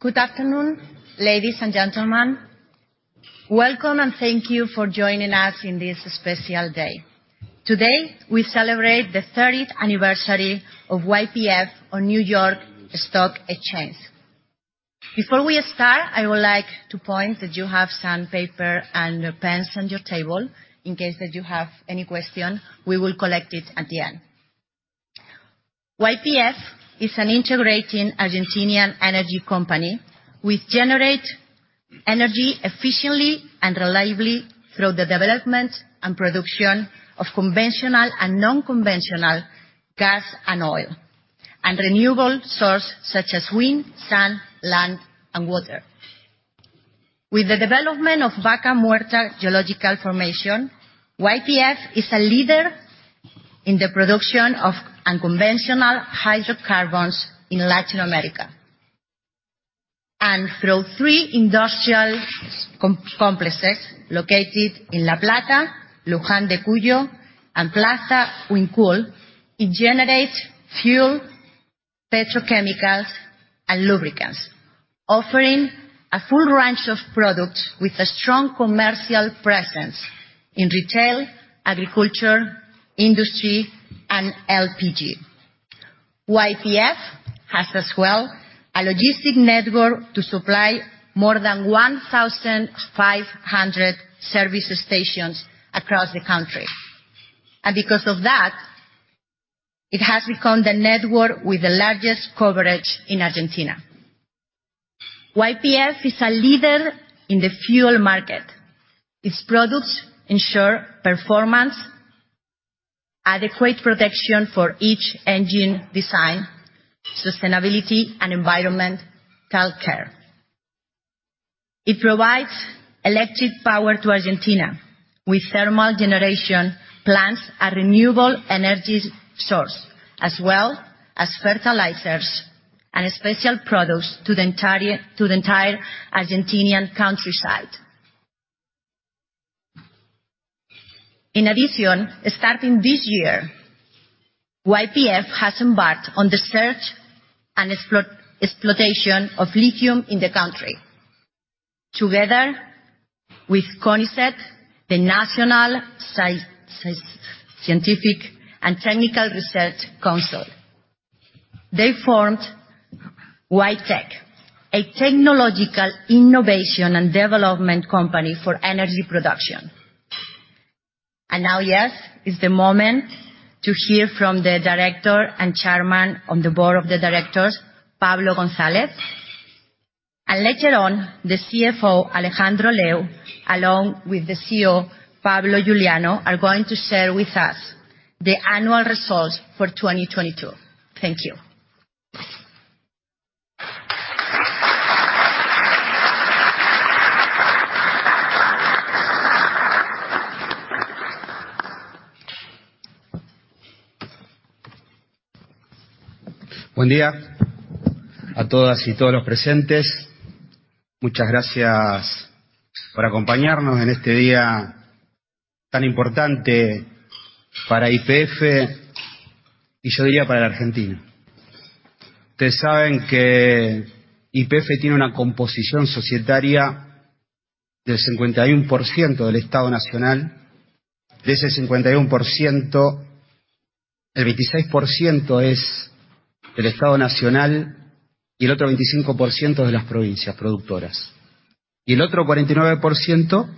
Good afternoon, ladies and gentlemen. Welcome and thank you for joining us in this special day. Today we celebrate the 30th anniversary of YPF on New York Stock Exchange. Before we start, I would like to point that you have some paper and pens on your table, in case that you have any question. We will collect it at the end. YPF is an integrating Argentinian energy company. We generate energy efficiently and reliably through the development and production of conventional and non-conventional gas and oil and renewable source such as wind, sun, land, and water. With the development of Vaca Muerta geological formation, YPF is a leader in the production of unconventional hydrocarbons in Latin America. Through three industrial complexes located in La Plata, Luján de Cuyo and Plaza Huincul, it generates fuel, petrochemicals and lubricants, offering a full range of products with a strong commercial presence in retail, agriculture, industry, and LPG. YPF has as well a logistic network to supply more than 1,500 service stations across the country. Because of that, it has become the network with the largest coverage in Argentina. YPF is a leader in the fuel market. Its products ensure performance, adequate protection for each engine design, sustainability and environmental care. It provides electric power to Argentina with thermal generation plants and renewable energy source, as well as fertilizers and special products to the entire Argentinian countryside. In addition, starting this year, YPF has embarked on the search and exploitation of lithium in the country, together with CONICET, the National Scientific and Technical Research Council. They formed Y-TEC, a technological innovation and development company for energy production. Now, yes, is the moment to hear from the director and chairman on the board of the directors, Pablo González. Later on, the CFO, Alejandro Lew, along with the CEO, Pablo Iuliano, are going to share with us the annual results for 2022. Thank you. Buen día a todas y todos los presentes. Muchas gracias por acompañarnos en este día tan importante para YPF y yo diría para la Argentina. Ustedes saben que YPF tiene una composición societaria del 51% del Estado nacional. De ese 51%, el 26% es del Estado nacional y el otro 25% de las provincias productoras y el otro 49%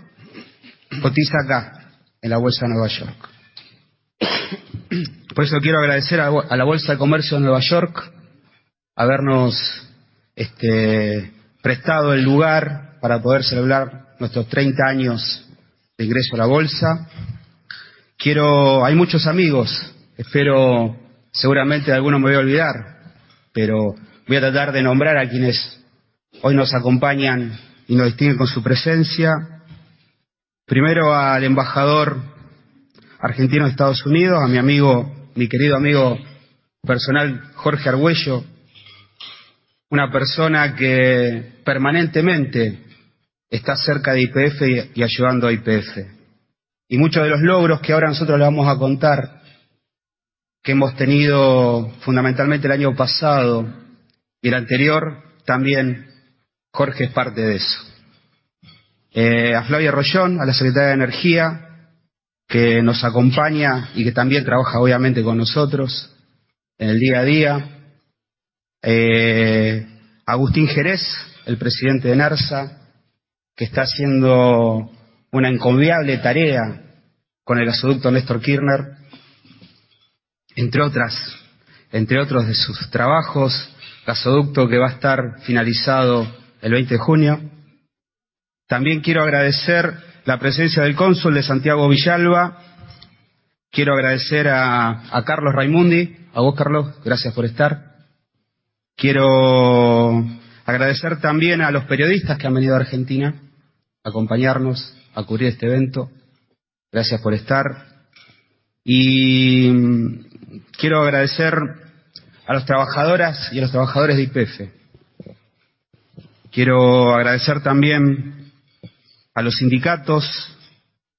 cotiza acá en la Bolsa de Nueva York. Por eso quiero agradecer a la Bolsa de Comercio de Nueva York habernos prestado el lugar para poder celebrar nuestros 30 años de ingreso a la bolsa. Hay muchos amigos. Espero, seguramente de alguno me voy a olvidar, pero voy a tratar de nombrar a quienes hoy nos acompañan y nos distinguen con su presencia. Primero, al Embajador argentino de Estados Unidos, a mi amigo, mi querido amigo personal, Jorge Argüello, una persona que permanentemente está cerca de YPF y ayudando a YPF. Muchos de los logros que ahora nosotros le vamos a contar, que hemos tenido fundamentalmente el año pasado y el anterior también, Jorge es parte de eso. A Flavia Royón, a la Secretaria de Energía, que nos acompaña y que también trabaja obviamente con nosotros en el día a día. Agustín Gerez, el Presidente de ENARSA, que está haciendo una encomiable tarea con el Gasoducto Néstor Kirchner, entre otras, entre otros de sus trabajos. Gasoducto que va a estar finalizado el 20 de junio. Quiero agradecer la presencia del cónsul de Santiago Villalba. Quiero agradecer a Carlos Raimundi. A vos, Carlos, gracias por estar. Quiero agradecer también a los periodistas que han venido de Argentina a acompañarnos a cubrir este evento. Gracias por estar. Quiero agradecer a las trabajadoras y a los trabajadores de YPF. Quiero agradecer también a los sindicatos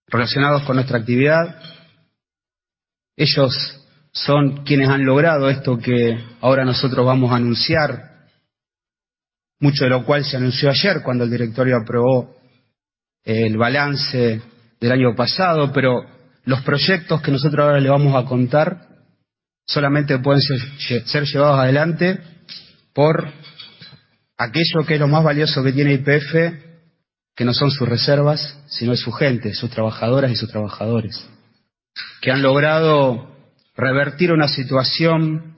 relacionados con nuestra actividad. Ellos son quienes han logrado esto que ahora nosotros vamos a anunciar, mucho de lo cual se anunció ayer cuando el directorio aprobó el balance del año pasado. Los proyectos que nosotros ahora le vamos a contar solamente pueden ser llevados adelante por aquello que es lo más valioso que tiene YPF, que no son sus reservas, sino es su gente, sus trabajadoras y sus trabajadores, que han logrado revertir una situación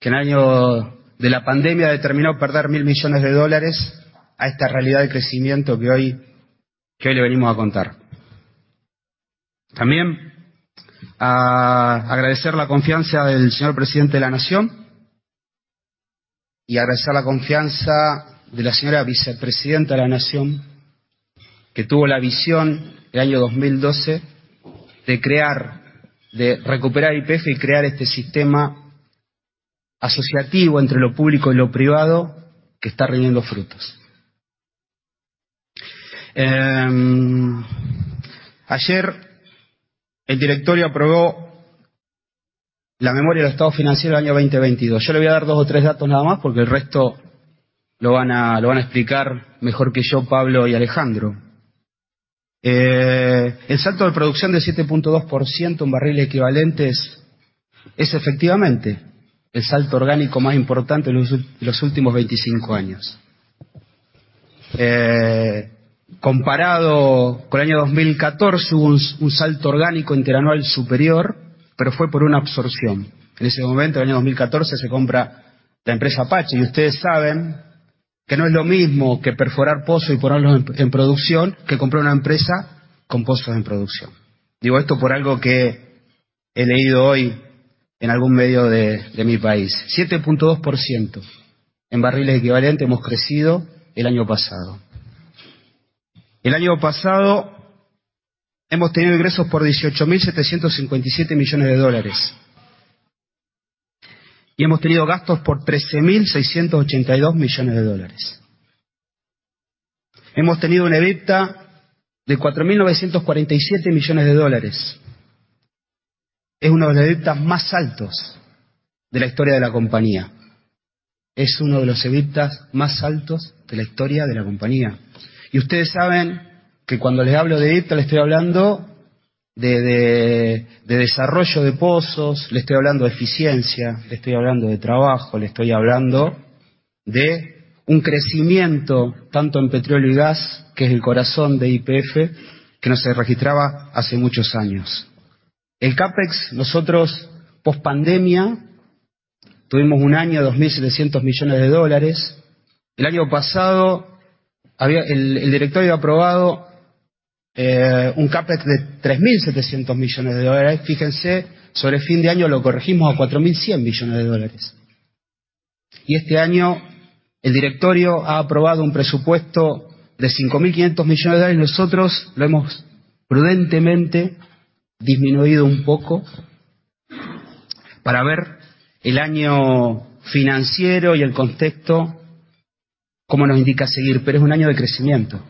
que en el año de la pandemia determinó perder $1 billion a esta realidad de crecimiento que hoy le venimos a contar. También, a agradecer la confianza del señor Presidente de la Nación y agradecer la confianza de la señora Vicepresidenta de la Nación, que tuvo la visión el 2012 de crear, de recuperar YPF y crear este sistema asociativo entre lo público y lo privado que está rindiendo frutos. Ayer el directorio aprobó la memoria del estado financiero del 2022. Yo le voy a dar dos o tres datos nada más, porque el resto lo van a, lo van a explicar mejor que yo Pablo y Alejandro. El salto de producción de 7.2% en barriles equivalentes es efectivamente el salto orgánico más importante en los últimos 25 years. Comparado con el 2014, hubo un salto orgánico interanual superior, pero fue por una absorción. En ese momento, el año 2014, se compra la empresa Apache. Ustedes saben que no es lo mismo que perforar pozos y ponerlos en producción que comprar una empresa con pozos en producción. Digo esto por algo que he leído hoy en algún medio de mi país. 7.2% en barriles equivalentes hemos crecido el año pasado. El año pasado hemos tenido ingresos por $18,757 million. Hemos tenido gastos por $13,682 million. Hemos tenido un EBITDA de $4,947 million. Es uno de los EBITDA más altos de la historia de la compañía. Ustedes saben que cuando les hablo de EBITDA le estoy hablando de desarrollo de pozos, le estoy hablando de eficiencia, le estoy hablando de trabajo, le estoy hablando de un crecimiento tanto en petróleo y gas, que es el corazón de YPF, que no se registraba hace muchos años. El CapEx, nosotros pospandemia tuvimos un año, $2,700 million. El año pasado el directorio había aprobado un CapEx de $3,700 million. Fíjense, sobre fin de año lo corregimos a $4,100 million. Este año el directorio ha aprobado un presupuesto de $5,500 million. Nosotros lo hemos prudentemente disminuido un poco para ver el año financiero y el contexto cómo nos indica seguir. Es un año de crecimiento,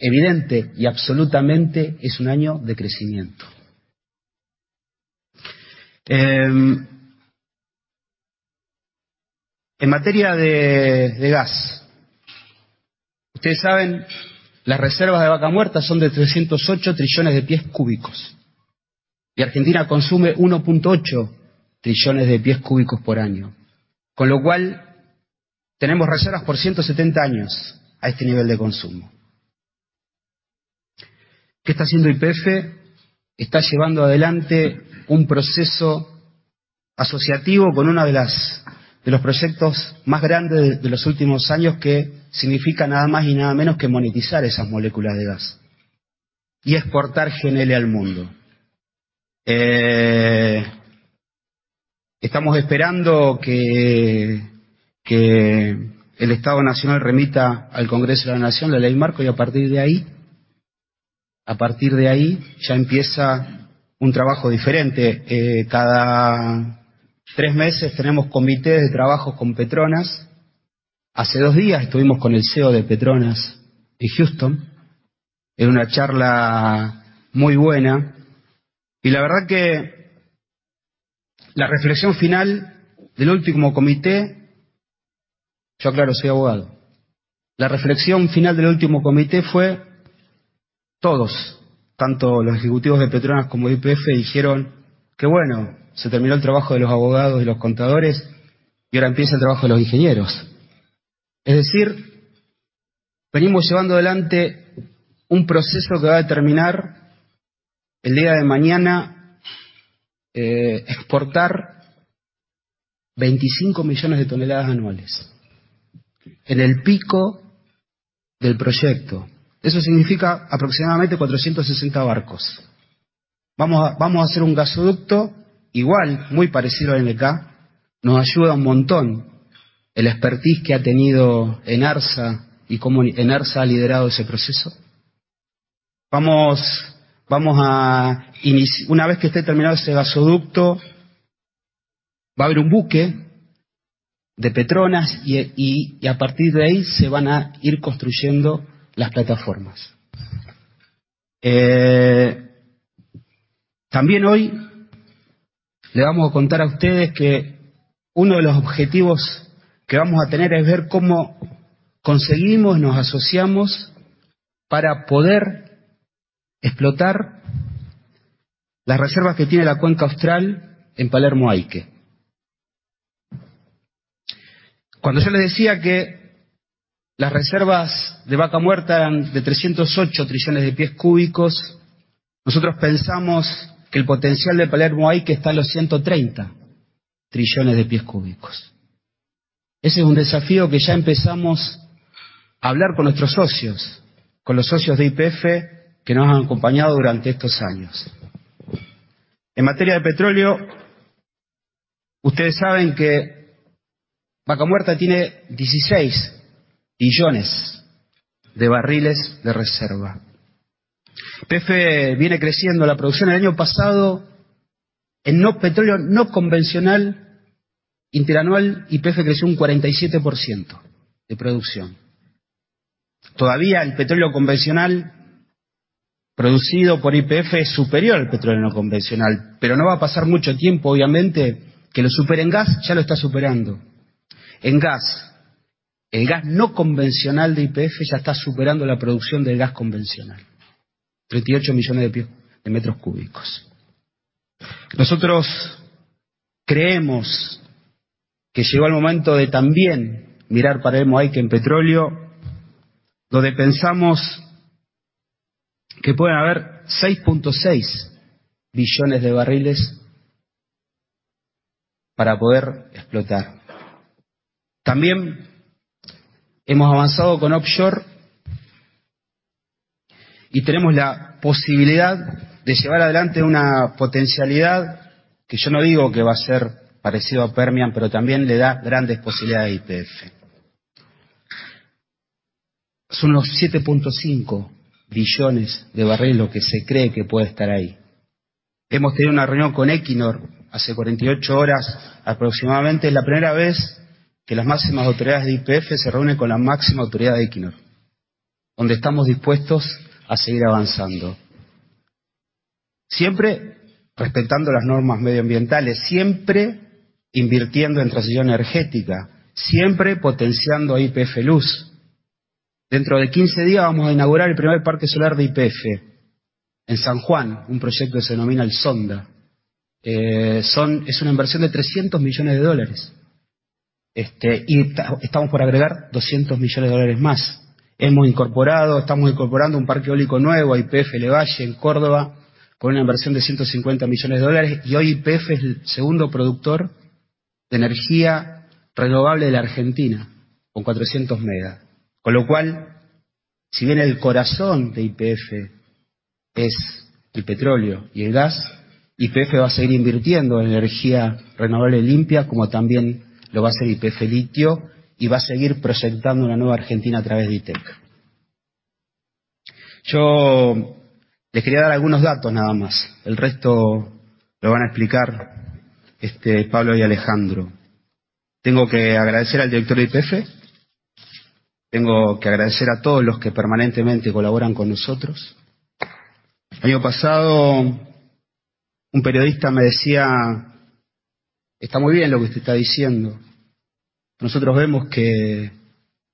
evidente y absolutamente es un año de crecimiento. En materia de gas, ustedes saben, las reservas de Vaca Muerta son de 308 Tcf y Argentina consume 1.8 Tcf por año, con lo cual tenemos reservas por 170 años a este nivel de consumo. ¿Qué está haciendo YPF? Está llevando adelante un proceso asociativo con una de los proyectos más grandes de los últimos años, que significa nada más y nada menos que monetizar esas moléculas de gas y exportar GNL al mundo. Estamos esperando que el Estado nacional remita al Congreso de la Nación la ley marco y a partir de ahí ya empieza un trabajo diferente. Cada 3 meses tenemos comités de trabajo con PETRONAS. Hace 2 días estuvimos con el CEO de PETRONAS en Houston. Era una charla muy buena y la verdad que la reflexión final del último comité... Yo, claro, soy abogado. La reflexión final del último comité fue: todos, tanto los ejecutivos de PETRONAS como de YPF, dijeron que bueno, se terminó el trabajo de los abogados y los contadores y ahora empieza el trabajo de los ingenieros. Es decir, venimos llevando adelante un proceso que va a determinar el día de mañana, exportar 25 millones de toneladas anuales en el pico del proyecto. Eso significa aproximadamente 460 barcos. Vamos a hacer un gasoducto igual, muy parecido al GNK. Nos ayuda un montón el expertise que ha tenido ENARSA y cómo ENARSA ha liderado ese proceso. Una vez que esté terminado ese gasoducto. Va a haber un buque de PETRONAS y a partir de ahí se van a ir construyendo las plataformas. También hoy le vamos a contar a ustedes que uno de los objetivos que vamos a tener es ver cómo conseguimos, nos asociamos para poder explotar las reservas que tiene la Cuenca Austral en Palermo Aike. Cuando yo les decía que las reservas de Vaca Muerta eran de 308 Tcf, nosotros pensamos que el potencial de Palermo Aike está en los 130 Tcf. Ese es un desafío que ya empezamos a hablar con nuestros socios, con los socios de YPF, que nos han acompañado durante estos años. En materia de petróleo, ustedes saben que Vaca Muerta tiene 16 billion barrels of reserve. YPF viene creciendo la producción. El año pasado, en petróleo no convencional interanual, YPF creció un 47% de producción. Todavía el petróleo convencional producido por YPF es superior al petróleo no convencional, pero no va a pasar mucho tiempo, obviamente, que lo supere en gas, ya lo está superando. En gas, el gas no convencional de YPF ya está superando la producción de gas convencional: 38 millones de metros cúbicos. Nosotros creemos que llegó el momento de también mirar Palermo-Aike en petróleo, donde pensamos... que puede haber 6.6 billones de barriles... para poder explotar. También hemos avanzado con offshore... y tenemos la posibilidad de llevar adelante una potencialidad, que yo no digo que va a ser parecido a Permian, pero también le da grandes posibilidades a YPF. Son unos 7.5 billones de barriles lo que se cree que puede estar ahí. Hemos tenido una reunión con Equinor hace 48 horas, aproximadamente. Es la primera vez que las máximas autoridades de YPF se reúnen con la máxima autoridad de Equinor, donde estamos dispuestos a seguir avanzando. Siempre respetando las normas medioambientales, siempre invirtiendo en transición energética, siempre potenciando a YPF Luz. Dentro de 15 días vamos a inaugurar el primer parque solar de YPF en San Juan, un proyecto que se denomina el Zonda. Es una inversión de $300 million. Estamos por agregar $200 million más. Hemos incorporado, estamos incorporando un parque eólico nuevo, YPF El Valle, en Córdoba, con una inversión de $150 million. Hoy YPF es el second productor de energía renovable de la Argentina, con 400 MW. Si bien el corazón de YPF es el petróleo y el gas, YPF va a seguir invirtiendo en energía renovable limpia, como también lo va a hacer YPF Litio y va a seguir proyectando una nueva Argentina a través de Y-TEC. Yo les quería dar algunos datos, nada más. El resto lo van a explicar, Pablo y Alejandro. Tengo que agradecer al director de YPF. Tengo que agradecer a todos los que permanentemente colaboran con nosotros. El año pasado un periodista me decía: «Está muy bien lo que usted está diciendo. Nosotros vemos que,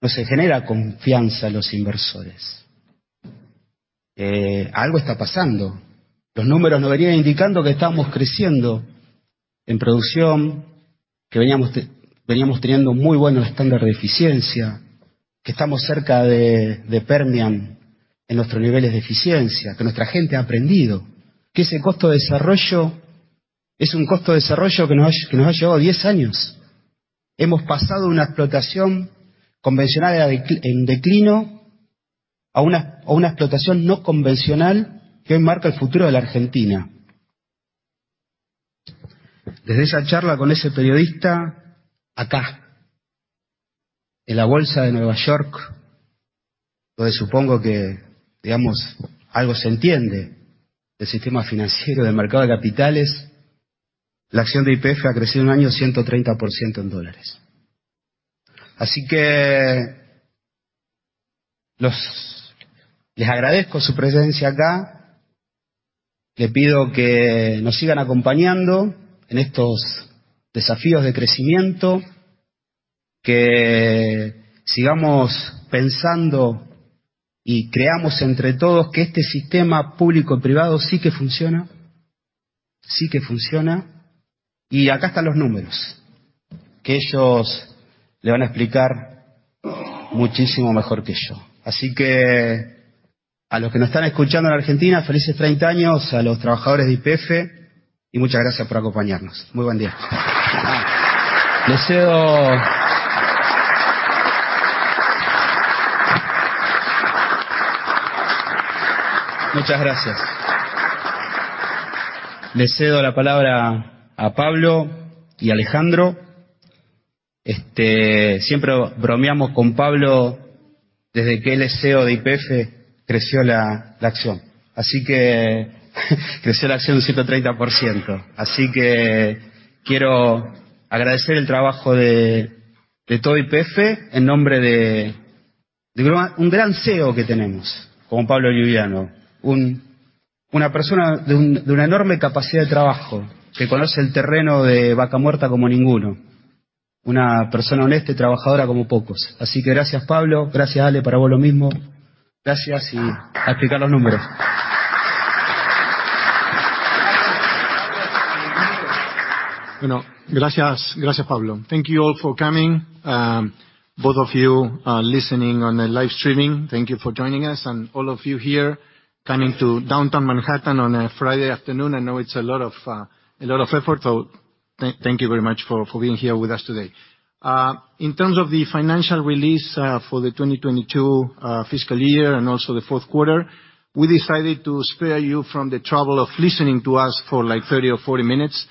no sé, genera confianza en los inversores». Algo está pasando. Los números nos venían indicando que estábamos creciendo en producción, que veníamos teniendo muy buenos estándares de eficiencia, que estamos cerca de Permian en nuestros niveles de eficiencia, que nuestra gente ha aprendido, que ese costo de desarrollo es un costo de desarrollo que nos ha llevado 10 años. Hemos pasado de una explotación convencional en declino a una explotación no convencional que hoy marca el futuro de la Argentina. Desde esa charla con ese periodista, acá, en la Bolsa de Nueva York, donde supongo que, digamos, algo se entiende del sistema financiero del mercado de capitales, la acción de YPF ha crecido 1 año 130% en dólares. Les agradezco su presencia acá. Les pido que nos sigan acompañando en estos desafíos de crecimiento, que sigamos pensando y creamos entre todos que este sistema público-privado sí que funciona. Sí que funciona. Y acá están los números, que ellos le van a explicar muchísimo mejor que yo. A los que nos están escuchando en Argentina, felices 30 años a los trabajadores de YPF y muchas gracias por acompañarnos. Muy buen día. Muchas gracias. Les cedo la palabra a Pablo y Alejandro Lew. Siempre bromeamos con Pablo, desde que él es CEO de YPF creció la acción. Creció la acción un 130%. Quiero agradecer el trabajo de todo YPF en nombre de un gran CEO que tenemos, como Pablo Iuliano. Una persona de una enorme capacidad de trabajo, que conoce el terreno de Vaca Muerta como ninguno. Una persona honesta y trabajadora como pocos. Gracias, Pablo. Gracias, Ale, para vos lo mismo. Gracias a explicar los números. Bueno, gracias. Gracias, Pablo. Thank you all for coming. Both of you listening on the live streaming. Thank you for joining us and all of you here coming to Downtown Manhattan on a Friday afternoon. I know it's a lot of effort. Thank you very much for being here with us today. In terms of the financial release for the 2022 fiscal year and also the 4th quarter, we decided to spare you from the trouble of listening to us for like 30 or 40 minutes.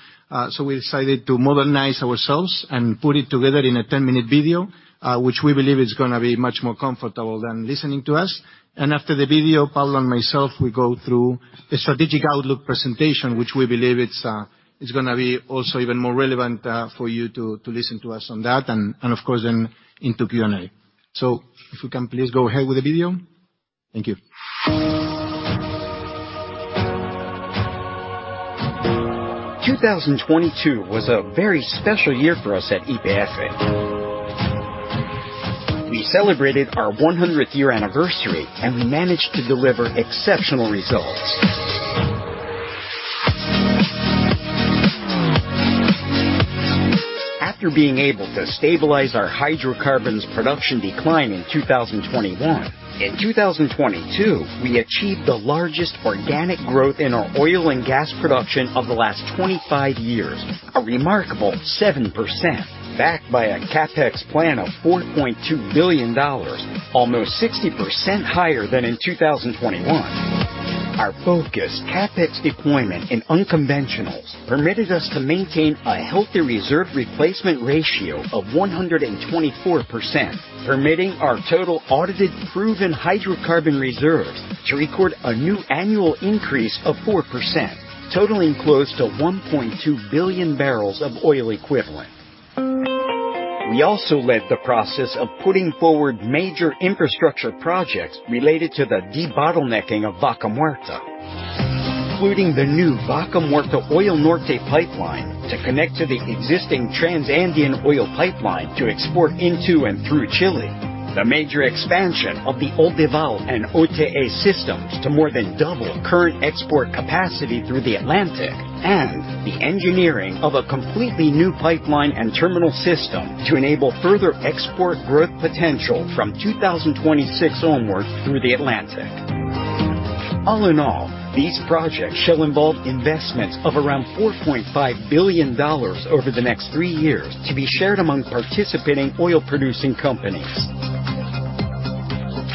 We decided to modernize ourselves and put it together in a 10-minute video, which we believe is gonna be much more comfortable than listening to us. After the video, Pablo and myself, we go through a strategic outlook presentation, which we believe it's gonna be also even more relevant for you to listen to us on that and, of course, then into Q&A. If we can please go ahead with the video. Thank you. 2022 was a very special year for us at YPF. We celebrated our 100th-year anniversary, and we managed to deliver exceptional results. After being able to stabilize our hydrocarbons production decline in 2021, in 2022, we achieved the largest organic growth in our oil and gas production of the last 25 years. A remarkable 7%, backed by a CapEx plan of $4.2 billion, almost 60% higher than in 2021. Our focused CapEx deployment in unconventionals permitted us to maintain a healthy reserve replacement ratio of 124%, permitting our total audited proven hydrocarbon reserves to record a new annual increase of 4%, totaling close to 1.2 billion barrels of oil equivalent. We also led the process of putting forward major infrastructure projects related to the debottlenecking of Vaca Muerta, including the new Vaca Muerta Oil Norte pipeline to connect to the existing Trans-Andean oil pipeline to export into and through Chile; the major expansion of the Oldelval and OTASA systems to more than double current export capacity through the Atlantic; and the engineering of a completely new pipeline and terminal system to enable further export growth potential from 2026 onwards through the Atlantic. All in all, these projects shall involve investments of around $4.5 billion over the next three years, to be shared among participating oil-producing companies.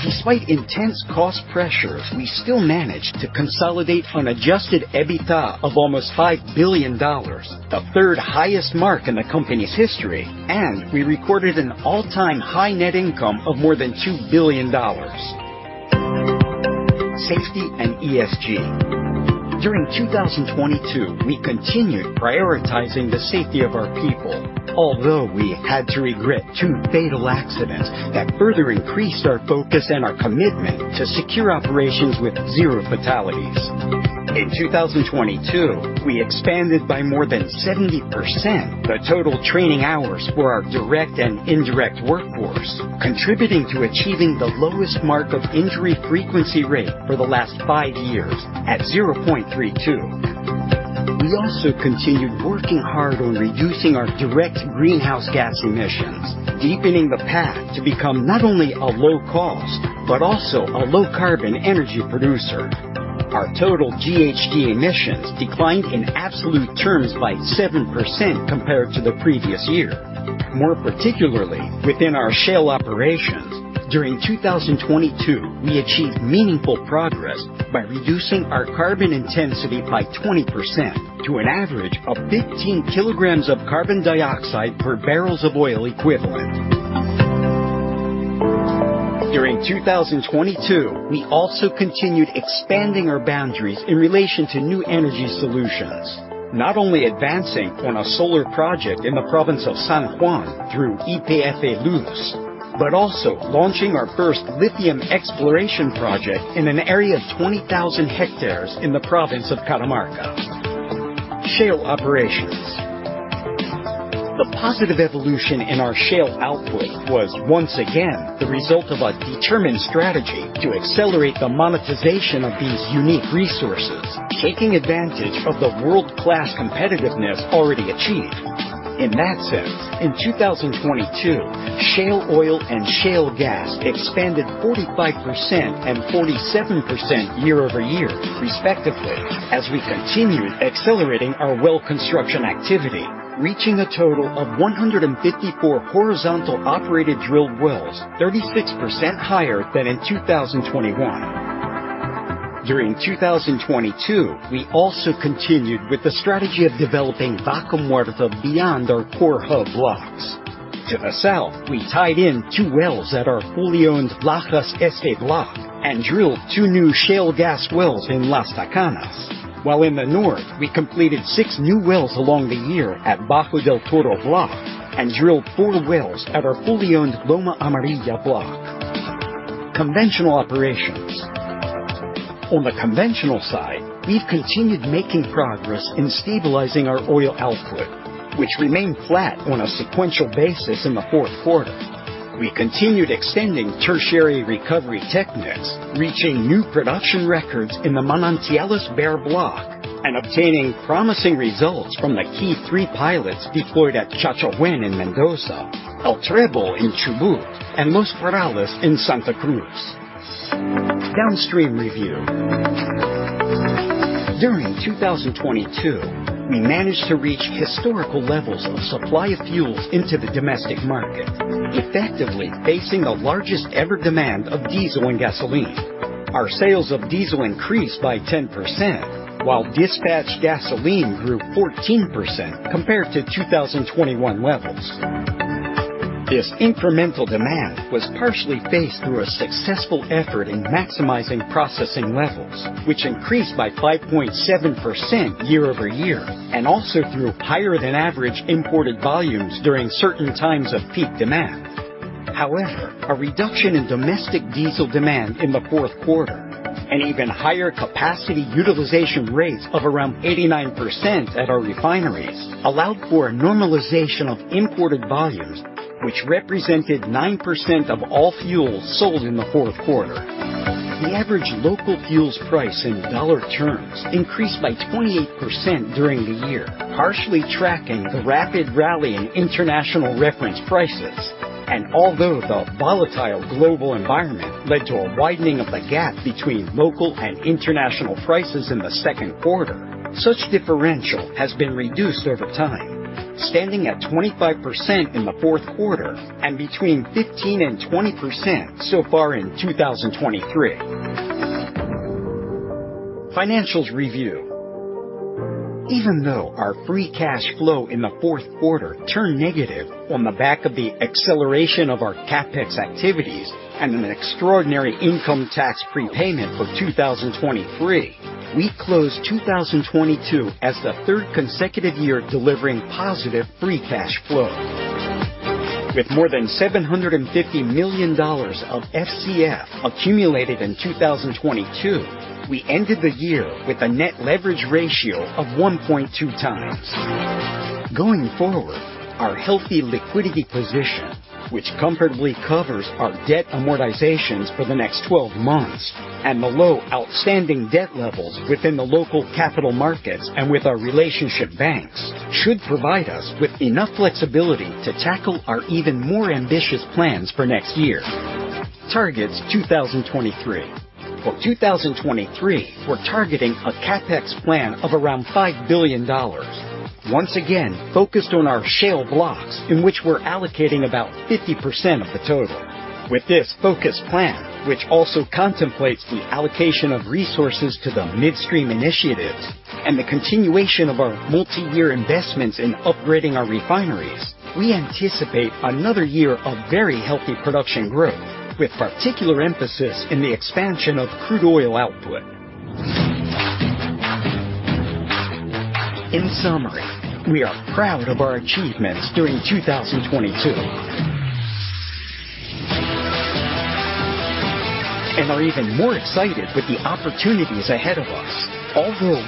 Despite intense cost pressures, we still managed to consolidate an adjusted EBITDA of almost $5 billion, the third-highest mark in the company's history, and we recorded an all-time high net income of more than $2 billion. Safety and ESG. During 2022, we continued prioritizing the safety of our people. Although we had to regret two fatal accidents that further increased our focus and our commitment to secure operations with zero fatalities. In 2022, we expanded by more than 70% the total training hours for our direct and indirect workforce, contributing to achieving the lowest mark of injury frequency rate for the last five years at 0.32. We also continued working hard on reducing our direct greenhouse gas emissions, deepening the path to become not only a low-cost, but also a low-carbon energy producer. Our total GHG emissions declined in absolute terms by 7% compared to the previous year. More particularly, within our shale operations, during 2022, we achieved meaningful progress by reducing our carbon intensity by 20% to an average of 15 kg of carbon dioxide per barrels of oil equivalent. During 2022, we also continued expanding our boundaries in relation to new energy solutions, not only advancing on a solar project in the province of San Juan through YPF Luz, but also launching our first lithium exploration project in an area of 20,000 hectares in the province of Catamarca. Shale operations. The positive evolution in our shale output was once again the result of a determined strategy to accelerate the monetization of these unique resources, taking advantage of the world-class competitiveness already achieved. In that sense, in 2022, shale oil and shale gas expanded 45% and 47% year-over-year, respectively, as we continued accelerating our well construction activity, reaching a total of 154 horizontal operated drill wells, 36% higher than in 2021. During 2022, we also continued with the strategy of developing Vaca Muerta beyond our core hub blocks. To the south, we tied in two wells at our fully-owned Lajas Este block and drilled two new shale gas wells in Las Tacanas. While in the north, we completed six new wells along the year at Bajo del Toro block and drilled four wells at our fully-owned Loma Amarilla block. Conventional operations. On the conventional side, we've continued making progress in stabilizing our oil output, which remained flat on a sequential basis in the fourth quarter. We continued extending tertiary recovery techniques, reaching new production records in the Manantiales Behr block, and obtaining promising results from the key three pilots deployed at Chachahuén in Mendoza, El Trébol in Chubut, and Los Perales in Santa Cruz. Downstream review. During 2022, we managed to reach historical levels of supply of fuels into the domestic market, effectively facing the largest ever demand of diesel and gasoline. Our sales of diesel increased by 10%, while dispatched gasoline grew 14% compared to 2021 levels. This incremental demand was partially faced through a successful effort in maximizing processing levels, which increased by 5.7% year-over-year, and also through higher than average imported volumes during certain times of peak demand. However, a reduction in domestic diesel demand in the fourth quarter, even higher capacity utilization rates of around 89% at our refineries, allowed for a normalization of imported volumes, which represented 9% of all fuels sold in the fourth quarter. The average local fuels price in dollar terms increased by 28% during the year, partially tracking the rapid rally in international reference prices. Although the volatile global environment led to a widening of the gap between local and international prices in the second quarter, such differential has been reduced over time, standing at 25% in the fourth quarter and between 15%-20% so far in 2023. Financials review. Even though our free cash flow in the fourth quarter turned negative on the back of the acceleration of our CapEx activities and an extraordinary income tax prepayment for 2023, we closed 2022 as the third consecutive year delivering positive free cash flow. With more than $750 million of FCF accumulated in 2022, we ended the year with a net leverage ratio of 1.2x. Going forward, our healthy liquidity position, which comfortably covers our debt amortizations for the next 12 months, and the low outstanding debt levels within the local capital markets and with our relationship banks, should provide us with enough flexibility to tackle our even more ambitious plans for next year. Targets 2023. For 2023, we're targeting a CapEx plan of around $5 billion, once again focused on our shale blocks, in which we're allocating about 50% of the total. With this focused plan, which also contemplates the allocation of resources to the midstream initiatives and the continuation of our multi-year investments in upgrading our refineries, we anticipate another year of very healthy production growth, with particular emphasis in the expansion of crude oil output. In summary, we are proud of our achievements during 2022. And are even more excited with the opportunities ahead of us.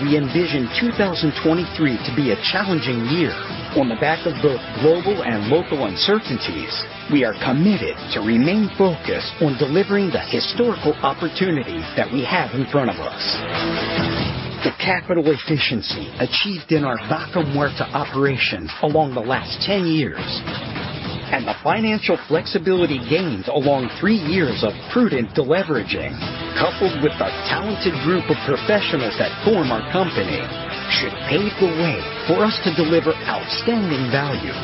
We envision 2023 to be a challenging year on the back of both global and local uncertainties. We are committed to remain focused on delivering the historical opportunities that we have in front of us. The capital efficiency achieved in our Vaca Muerta operations along the last 10 years, and the financial flexibility gains along three years of prudent deleveraging, coupled with the talented group of professionals that form our company, should pave the way for us to deliver outstanding value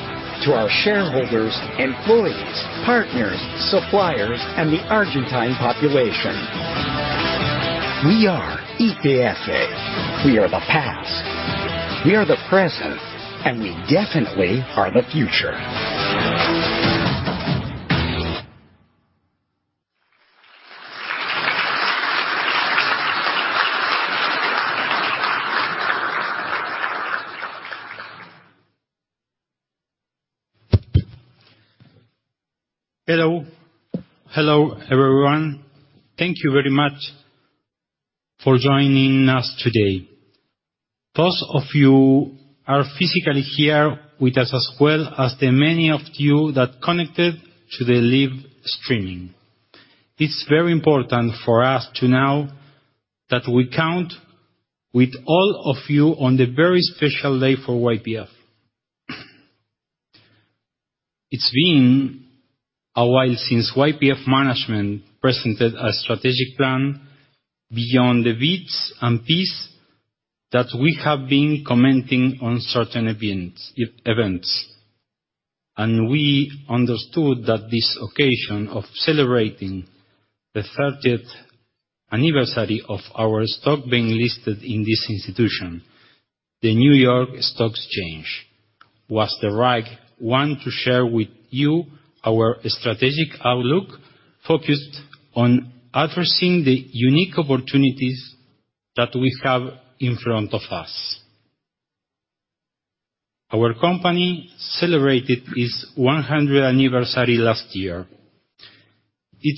to our shareholders, employees, partners, suppliers, and the Argentine population. We are YPF. We are the past, we are the present, and we definitely are the future. Hello. Hello, everyone. Thank you very much for joining us today. Those of you are physically here with us, as well as the many of you that connected to the live streaming. It's very important for us to know that we count with all of you on the very special day for YPF. It's been a while since YPF management presented a strategic plan beyond the bits and pieces that we have been commenting on certain events, events. And we understood that this occasion of celebrating the 30th anniversary of our stock being listed in this institution, the New York Stock Exchange, was the right one to share with you our strategic outlook focused on addressing the unique opportunities that we have in front of us. Our company celebrated its 100th anniversary last year. It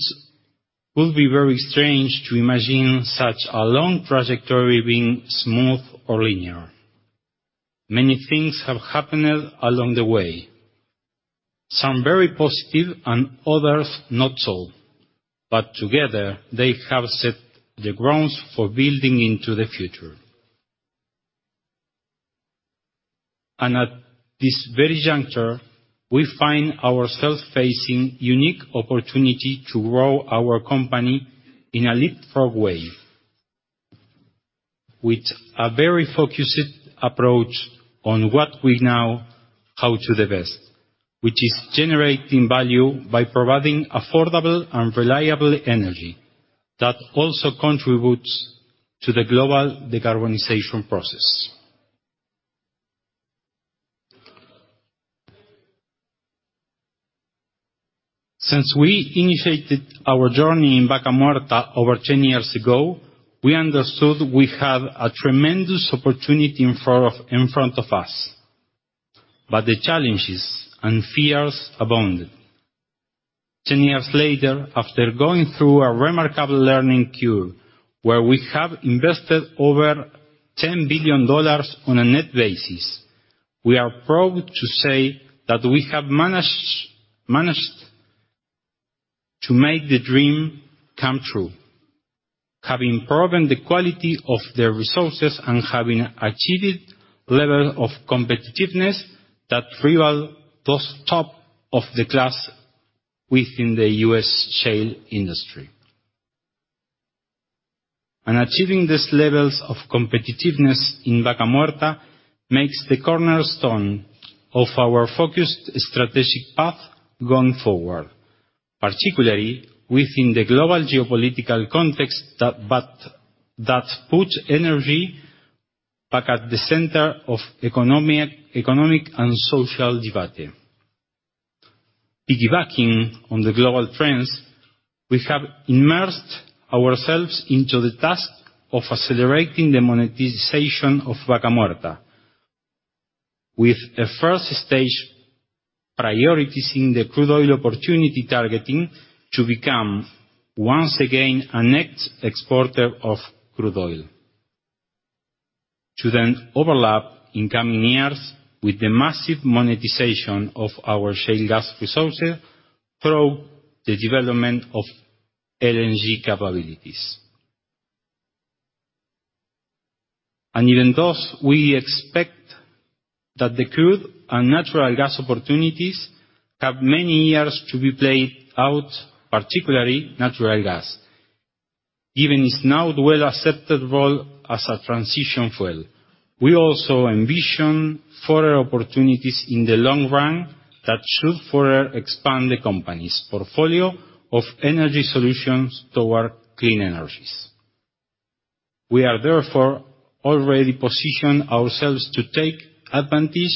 would be very strange to imagine such a long trajectory being smooth or linear. Many things have happened along the way, some very positive and others not so. Together, they have set the grounds for building into the future. At this very juncture, we find ourselves facing unique opportunity to grow our company in a leapfrog way. With a very focused approach on what we know how to do best, which is generating value by providing affordable and reliable energy that also contributes to the global decarbonization process. Since we initiated our journey in Vaca Muerta over 10 years ago, we understood we have a tremendous opportunity in front of us. The challenges and fears abounded. 10 years later, after going through a remarkable learning curve, where we have invested over $10 billion on a net basis, we are proud to say that we have managed to make the dream come true. Having proven the quality of the resources and having achieved level of competitiveness that rival those top of the class within the U.S. shale industry. Achieving these levels of competitiveness in Vaca Muerta makes the cornerstone of our focused strategic path going forward, particularly within the global geopolitical context that puts energy back at the center of economic and social debate. Piggybacking on the global trends, we have immersed ourselves into the task of accelerating the monetization of Vaca Muerta, with a first stage prioritizing the crude oil opportunity targeting to become once again a net exporter of crude oil. Then overlap in coming years with the massive monetization of our shale gas resources through the development of LNG capabilities. Even though we expect that the crude and natural gas opportunities have many years to be played out, particularly natural gas, given its now well-accepted role as a transition fuel, we also envision further opportunities in the long run that should further expand the company's portfolio of energy solutions toward clean energies. We are therefore already positioned ourselves to take advantage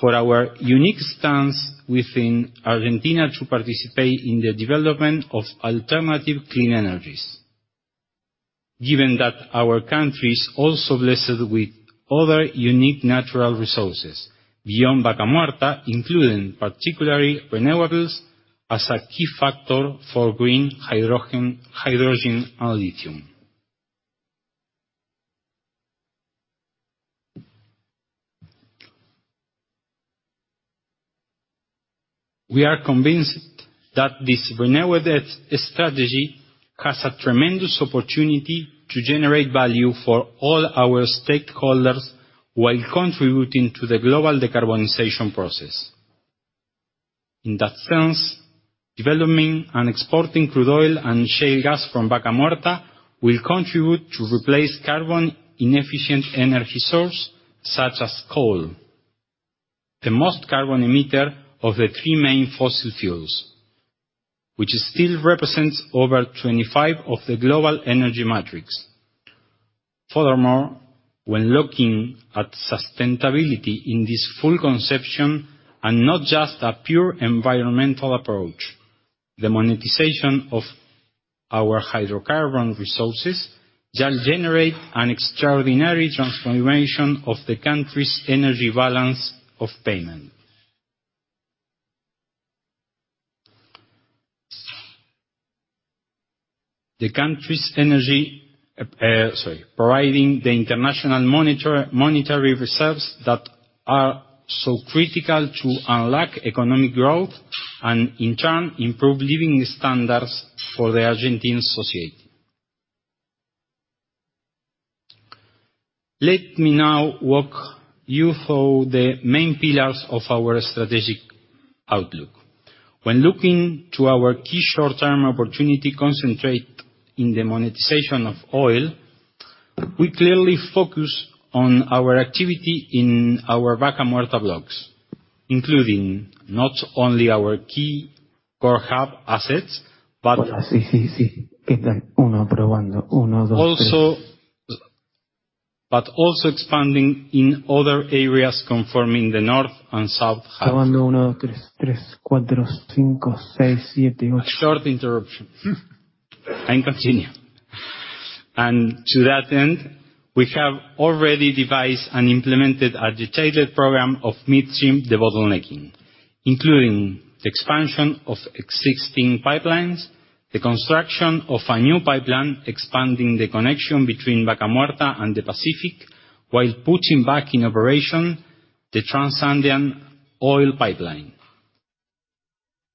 for our unique stance within Argentina to participate in the development of alternative clean energies. Given that our country is also blessed with other unique natural resources beyond Vaca Muerta, including particularly renewables as a key factor for green hydrogen and lithium. We are convinced that this renewed strategy has a tremendous opportunity to generate value for all our stakeholders while contributing to the global decarbonization process. In that sense, developing and exporting crude oil and shale gas from Vaca Muerta will contribute to replace carbon inefficient energy source such as coal, the most carbon emitter of the three main fossil fuels, which still represents over 25% of the global energy matrix. When looking at sustainability in this full conception and not just a pure environmental approach, the monetization of our hydrocarbon resources shall generate an extraordinary transformation of the country's energy balance of payment. The country's energy, sorry, providing the international monetary reserves that are so critical to unlock economic growth and in turn, improve living standards for the Argentine society. Let me now walk you through the main pillars of our strategic outlook. When looking to our key short-term opportunity concentrate in the monetization of oil, we clearly focus on our activity in our Vaca Muerta blocks, including not only our key core hub assets but- Hola. Sí, sí. Aquí está. Uno probando. Uno, dos, tres.... also expanding in other areas confirming the north and south hub. Probando. 1, 2, 3, 4, 5, 6, 7, 8. A short interruption. I continue. To that end, we have already devised and implemented a detailed program of midstream debottlenecking, including the expansion of existing pipelines, the construction of a new pipeline expanding the connection between Vaca Muerta and the Pacific while putting back in operation the Trans-Andean oil pipeline.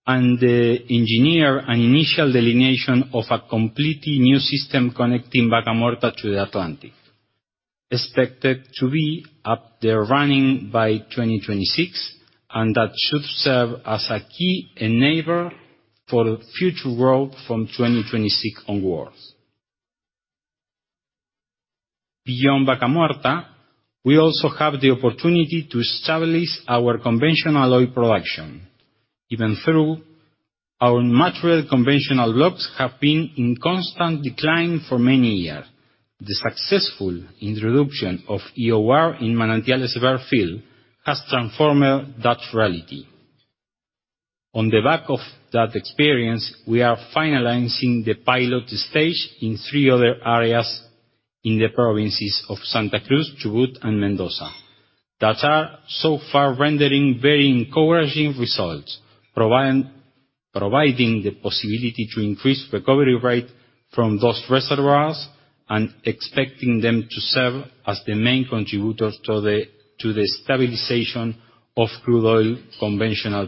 And engineer an initial delineation of a completely new system connecting Vaca Muerta to the Atlantic, expected to be up there running by 2026, and that should serve as a key enabler for future growth from 2026 onwards. Beyond Vaca Muerta, we also have the opportunity to establish our conventional oil production. Even through our mature conventional blocks have been in constant decline for many years, the successful introduction of EOR in Manantiales Behr field has transformed that reality. On the back of that experience, we are finalizing the pilot stage in three other areas in the provinces of Santa Cruz, Chubut, and Mendoza. That are so far rendering very encouraging results, providing the possibility to increase recovery rate from those reservoirs and expecting them to serve as the main contributors to the stabilization of crude oil conventional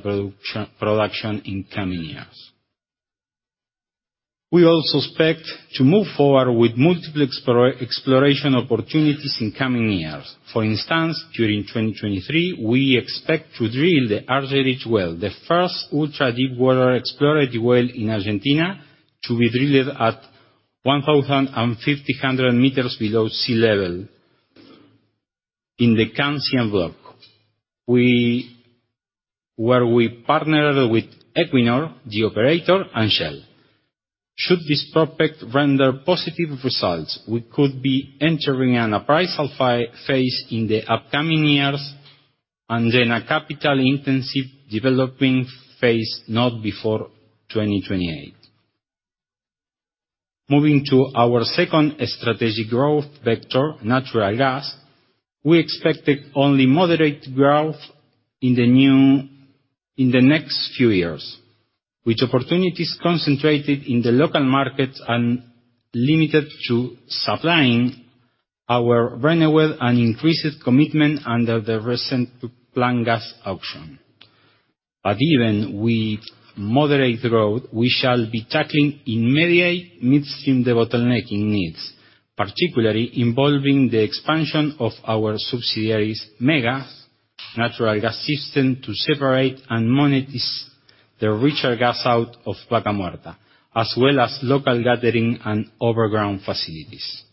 production in coming years. We also expect to move forward with multiple exploration opportunities in coming years. For instance, during 2023, we expect to drill the RDLH well, the first ultra-deep water exploratory well in Argentina to be drilled at 105,000 m below sea level in the CAN-100 block, where we partner with Equinor, the operator, and Shell. Should this prospect render positive results, we could be entering an appraisal phase in the upcoming years and then a capital-intensive developing phase not before 2028. Moving to our second strategic growth vector, natural gas. We expected only moderate growth in the next few years, with opportunities concentrated in the local markets and limited to supplying our renewable and increased commitment under the recent Plan Gas auction. Even with moderate growth, we shall be tackling immediate midstream debottlenecking needs, particularly involving the expansion of our subsidiaries Mega gas natural gas system to separate and monetize the richer gas out of Vaca Muerta, as well as local gathering and overground facilities.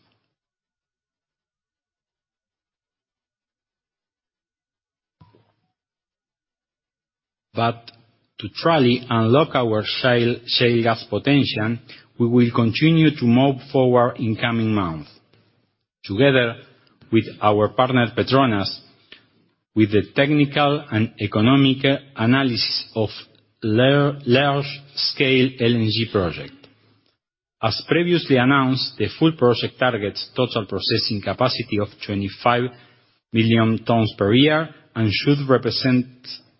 To truly unlock our shale gas potential, we will continue to move forward in coming months, together with our partner, PETRONAS, with the technical and economic analysis of large-scale LNG project. As previously announced, the full project targets total processing capacity of 25 million tons per year and should represent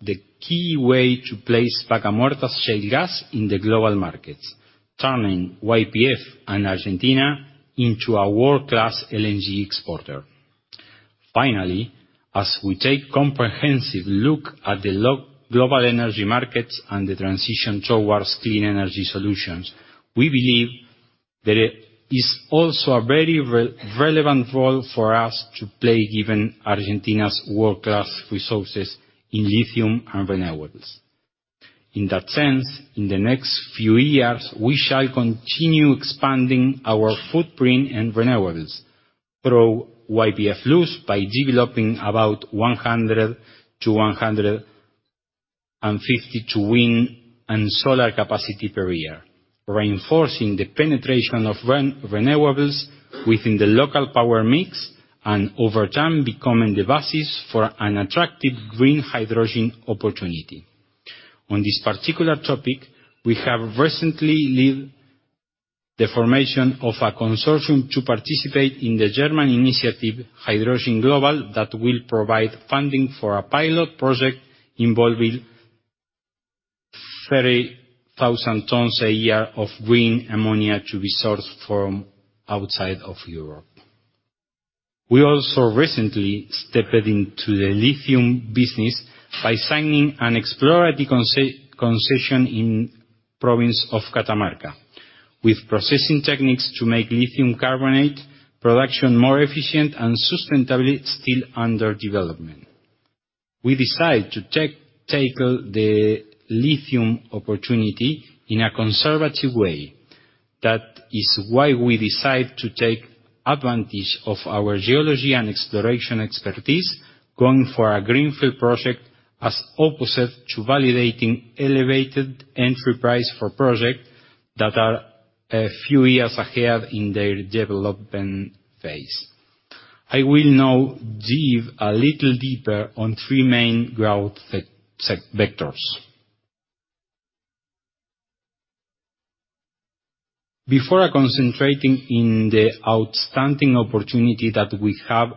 the key way to place Vaca Muerta's shale gas in the global markets, turning YPF and Argentina into a world-class LNG exporter. Finally, as we take comprehensive look at the global energy markets and the transition towards clean energy solutions, we believe there is also a very relevant role for us to play, given Argentina's world-class resources in lithium and renewables. In that sense, in the next few years, we shall continue expanding our footprint in renewables through YPF Luz by developing about 100 to 150 wind and solar capacity per year, reinforcing the penetration of renewables within the local power mix and over time becoming the basis for an attractive green hydrogen opportunity. On this particular topic, we have recently led the formation of a consortium to participate in the German initiative, H2Global, that will provide funding for a pilot project involving 30,000 tons a year of green ammonia to be sourced from outside of Europe. We also recently stepped into the lithium business by signing an exploratory concession in province of Catamarca with processing techniques to make lithium carbonate production more efficient and sustainable, still under development. We decide to tackle the lithium opportunity in a conservative way. That is why we decide to take advantage of our geology and exploration expertise, going for a greenfield project as opposite to validating elevated entry price for project that are a few years ahead in their development phase. I will now dive a little deeper on three main growth vectors. Before concentrating in the outstanding opportunity that we have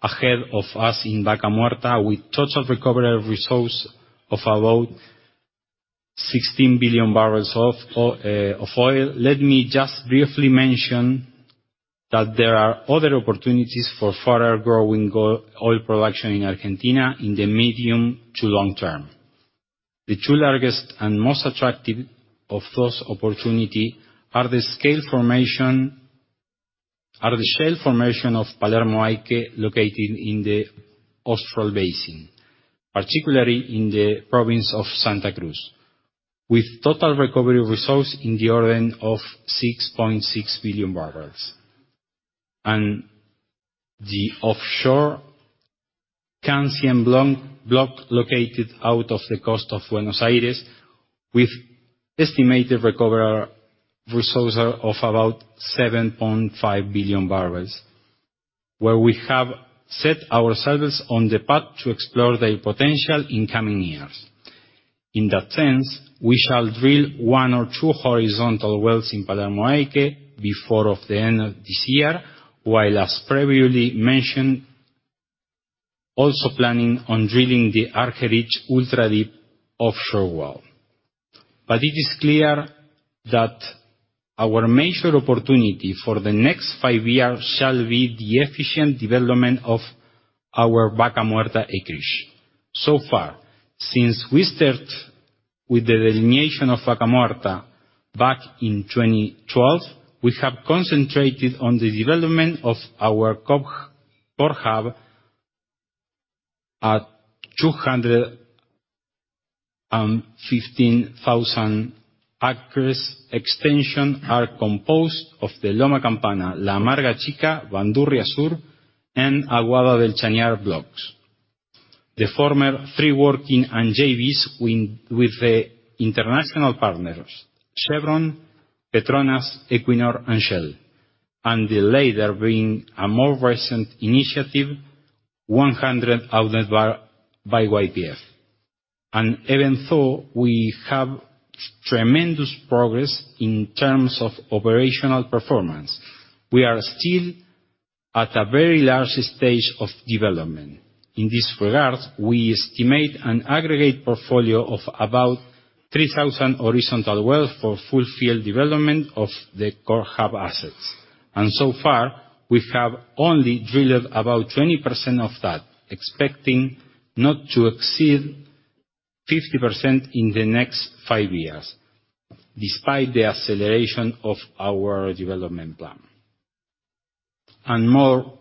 ahead of us in Vaca Muerta with total recovery resources of about 16 billion barrels of oil, let me just briefly mention that there are other opportunities for further growing oil production in Argentina in the medium to long term. The two largest and most attractive of those opportunity are the shale formation of Palermo Aike, located in the Austral Basin, particularly in the province of Santa Cruz, with total recovery resource in the order of 6.6 billion barrels, and the offshore Canseco block located out of the coast of Buenos Aires with estimated recoverable resources of about 7.5 billion barrels, where we have set ourselves on the path to explore the potential in coming years. In that sense, we shall drill one or two horizontal wells in Palermo Aike before the end of this year, while, as previously mentioned, also planning on drilling the Argerich ultra-deep offshore well. It is clear that our major opportunity for the next five years shall be the efficient development of our Vaca Muerta acreage. Since we start with the delineation of Vaca Muerta back in 2012, we have concentrated on the development of our core hub at 215,000 acres extension are composed of the Loma Campana, La Amarga Chica, Bandurria Sur, and Aguada del Chañar blocks. The former three working in JVs with the international partners, Chevron, PETRONAS, Equinor, and Shell, and the latter being a more recent initiative, 100% owned by YPF. Even though we have tremendous progress in terms of operational performance, we are still at a very large stage of development. In this regard, we estimate an aggregate portfolio of about 3,000 horizontal wells for full field development of the core hub assets. So far, we have only drilled about 20% of that, expecting not to exceed 50% in the next five years, despite the acceleration of our development plan. More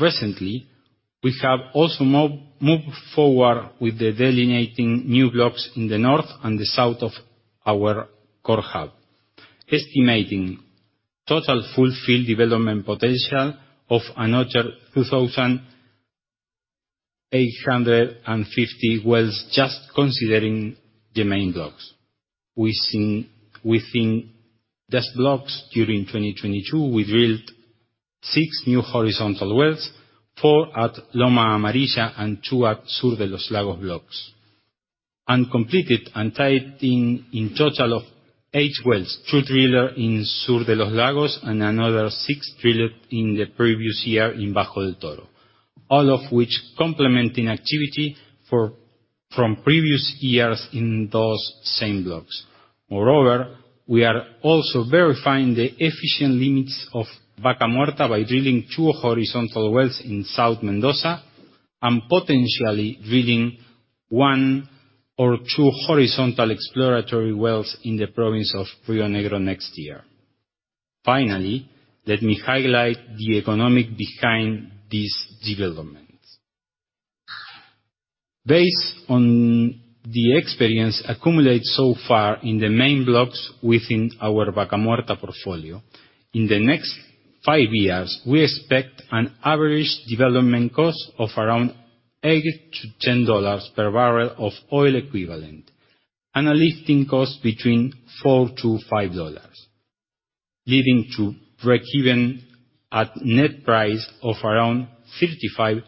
recently, we have also moved forward with the delineating new blocks in the north and the south of our core hub, estimating total full field development potential of another 2,850 wells just considering the main blocks. Within these blocks during 2022, we drilled six new horizontal wells - four at Loma Amarilla and two at Sur de Los Lagos blocks - and completed and tied in total of eight wells - two drilled in Sur de Los Lagos and another six drilled in the previous year in Bajo del Toro - all of which complementing activity from previous years in those same blocks. We are also verifying the efficient limits of Vaca Muerta by drilling two horizontal wells in South Mendoza and potentially drilling one or two horizontal exploratory wells in the province of Río Negro next year. Let me highlight the economic behind this development. Based on the experience, accumulated so far in the main blocks within our Vaca Muerta portfolio, in the next five years, we expect an average development cost of around $8-$10 per barrel of oil equivalent and a lifting cost between $4-$5, leading to breakeven at net price of around $55-$40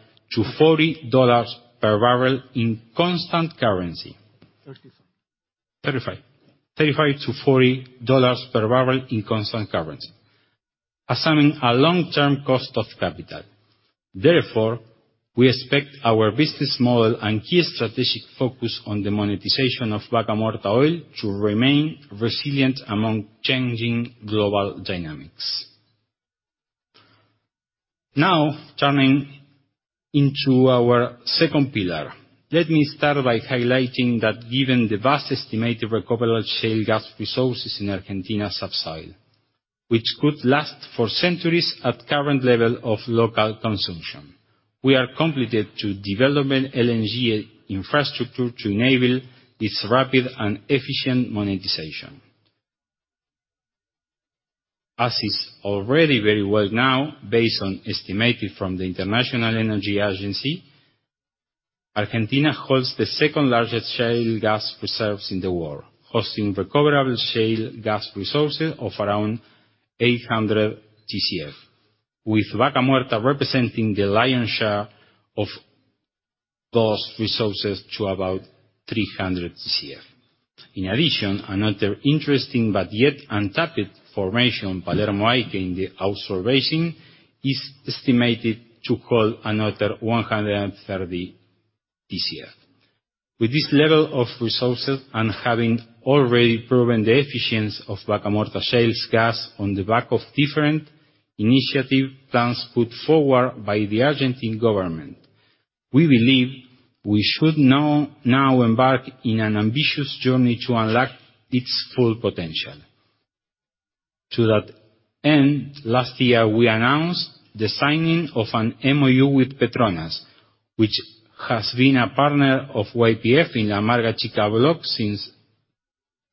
per barrel in constant currency. 35. 35. $35-$40 per barrel in constant currency, assuming a long-term cost of capital. Therefore, we expect our business model and key strategic focus on the monetization of Vaca Muerta oil to remain resilient among changing global dynamics. Now, turning into our second pillar. Let me start by highlighting that given the vast estimated recoverable shale gas resources in Argentina subsoil, which could last for centuries at current level of local consumption. We are committed to development LNG infrastructure to enable its rapid and efficient monetization. As is already very well known, based on estimated from the International Energy Agency, Argentina holds the second-largest shale gas reserves in the world, hosting recoverable shale gas resources of around 800 Bcf, with Vaca Muerta representing the lion's share of those resources to about 300 Bcf. In addition, another interesting but yet untapped formation, Palermo Aike, in the offshore basin, is estimated to hold another 130 Bcf. With this level of resources and having already proven the efficiency of Vaca Muerta shale's gas on the back of different initiative plans put forward by the Argentine Government, we believe we should now embark in an ambitious journey to unlock its full potential. To that end, last year we announced the signing of an MoU with PETRONAS, which has been a partner of YPF in Amarga Chica block since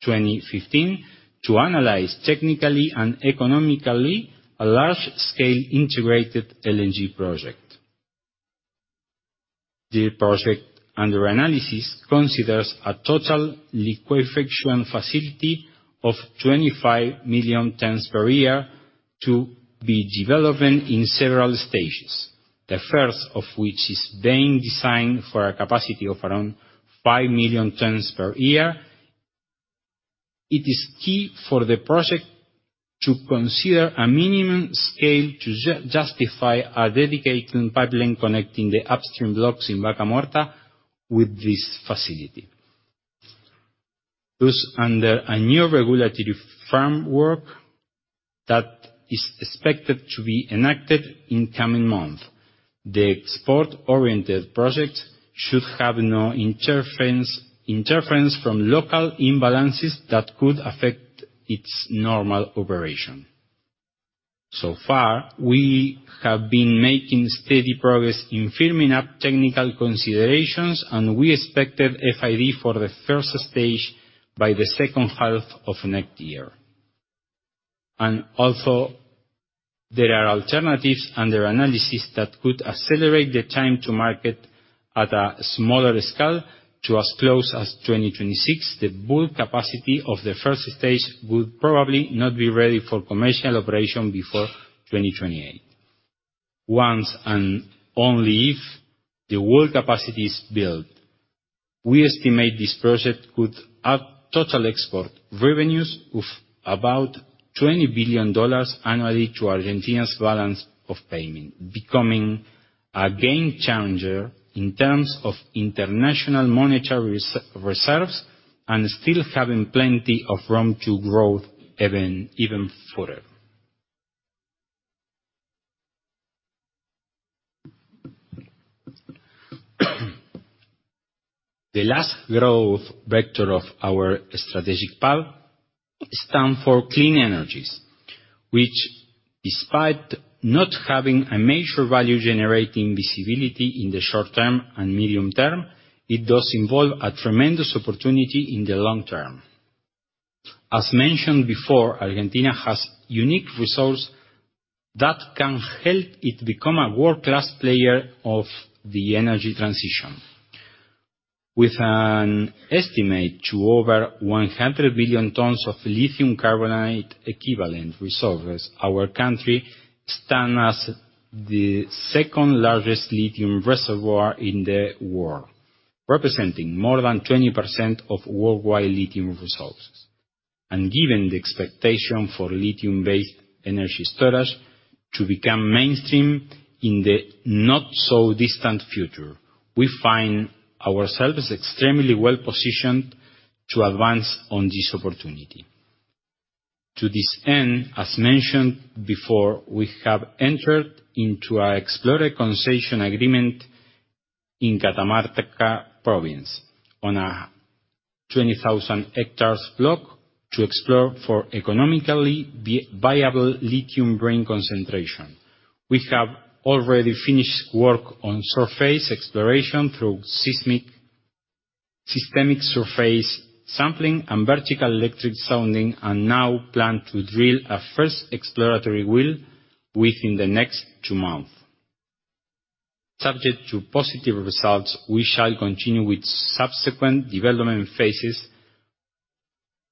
2015, to analyze technically and economically a large-scale integrated LNG project. The project under analysis considers a total liquefaction facility of 25 million tons per year to be developed in several stages, the first of which is being designed for a capacity of around five million tons per year. It is key for the project to consider a minimum scale to justify a dedicated pipeline connecting the upstream blocks in Vaca Muerta with this facility. Under a new regulatory framework that is expected to be enacted in coming months, the export-oriented project should have no interference from local imbalances that could affect its normal operation. Far, we have been making steady progress in firming up technical considerations, and we expected FID for the first stage by the second half of next year. Also, there are alternatives under analysis that could accelerate the time to market at a smaller scale to as close as 2026. The full capacity of the first stage would probably not be ready for commercial operation before 2028. Once and only if the whole capacity is built, we estimate this project could add total export revenues of about $20 billion annually to Argentina's balance of payment, becoming a game changer in terms of international monetary reserves, still having plenty of room to growth even further. The last growth vector of our strategic path stands for clean energies, which despite not having a major value-generating visibility in the short term and medium term, it does involve a tremendous opportunity in the long term. As mentioned before, Argentina has unique resources that can help it become a world-class player of the energy transition. With an estimate to over 100 billion tons of lithium carbonate equivalent reserves, our country stands as the second-largest lithium reservoir in the world, representing more than 20% of worldwide lithium resources. Given the expectation for lithium-based energy storage to become mainstream in the not-so-distant future, we find ourselves extremely well-positioned to advance on this opportunity. To this end, as mentioned before, we have entered into our exploration concession agreement in Catamarca Province on a 20,000 hectares block to explore for economically viable lithium brine concentration. We have already finished work on surface exploration through seismic surface sampling and vertical electric sounding, and now plan to drill our first exploratory well within the next two months. Subject to positive results, we shall continue with subsequent development phases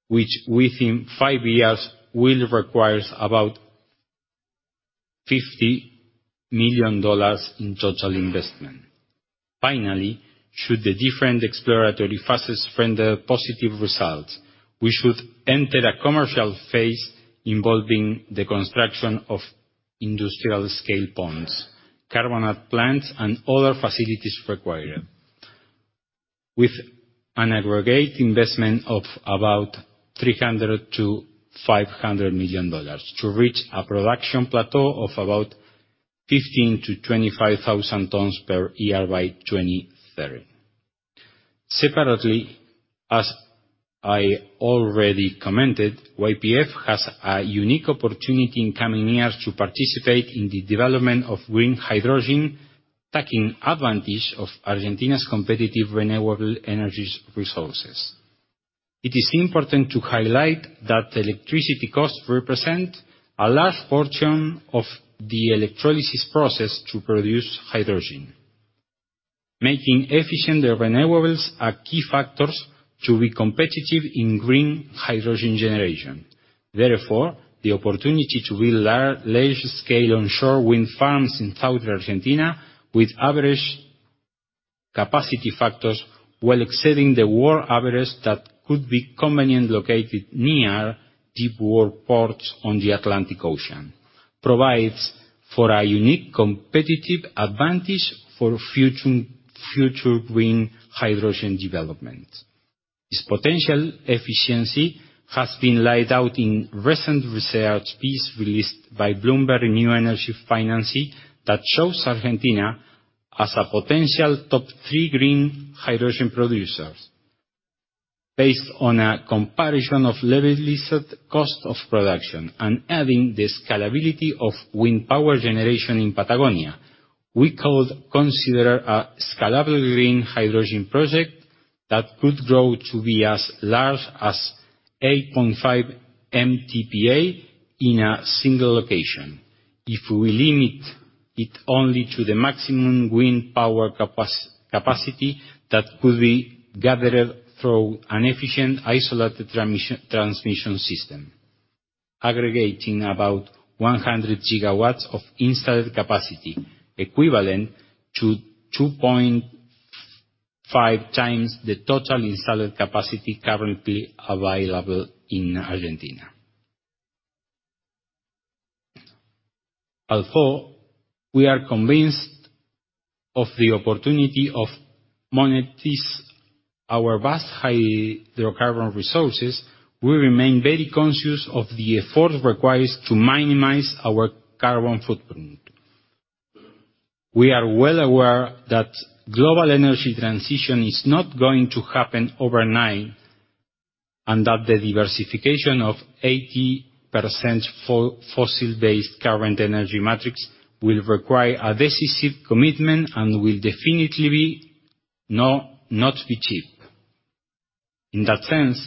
which, within five years, will require about $50 million in total investment. Finally, should the different exploratory phases render positive results, we should enter a commercial phase involving the construction of industrial-scale ponds, carbonate plants, and other facilities required, with an aggregate investment of about $300 million-$500 million to reach a production plateau of about 15,000 tons-25,000 tons per year by 2030. As I already commented, YPF has a unique opportunity in coming years to participate in the development of green hydrogen, taking advantage of Argentina's competitive renewable energies resources. It is important to highlight that electricity costs represent a large portion of the electrolysis process to produce hydrogen. Making efficient the renewables are key factors to be competitive in green hydrogen generation. The opportunity to build large scale onshore wind farms in southern Argentina with average capacity factors well exceeding the world average that could be conveniently located near deep-water ports on the Atlantic Ocean, provides for a unique competitive advantage for future green hydrogen development. This potential efficiency has been laid out in recent research piece released by Bloomberg New Energy Finance that shows Argentina as a potential top three green hydrogen producers. Based on a comparison of levelized cost of production and adding the scalability of wind power generation in Patagonia, we could consider a scalable green hydrogen project that could grow to be as large as 8.5 MTPA in a single location. If we limit it only to the maximum wind power capacity that could be gathered through an efficient isolated transmission system, aggregating about 100 GW of installed capacity, equivalent to 2.5x the total installed capacity currently available in Argentina. Although we are convinced of the opportunity of monetize our vast high hydrocarbon resources, we remain very conscious of the effort required to minimize our carbon footprint. We are well aware that global energy transition is not going to happen overnight, and that the diversification of 80% fossil-based current energy matrix will require a decisive commitment and will definitely not be cheap. In that sense,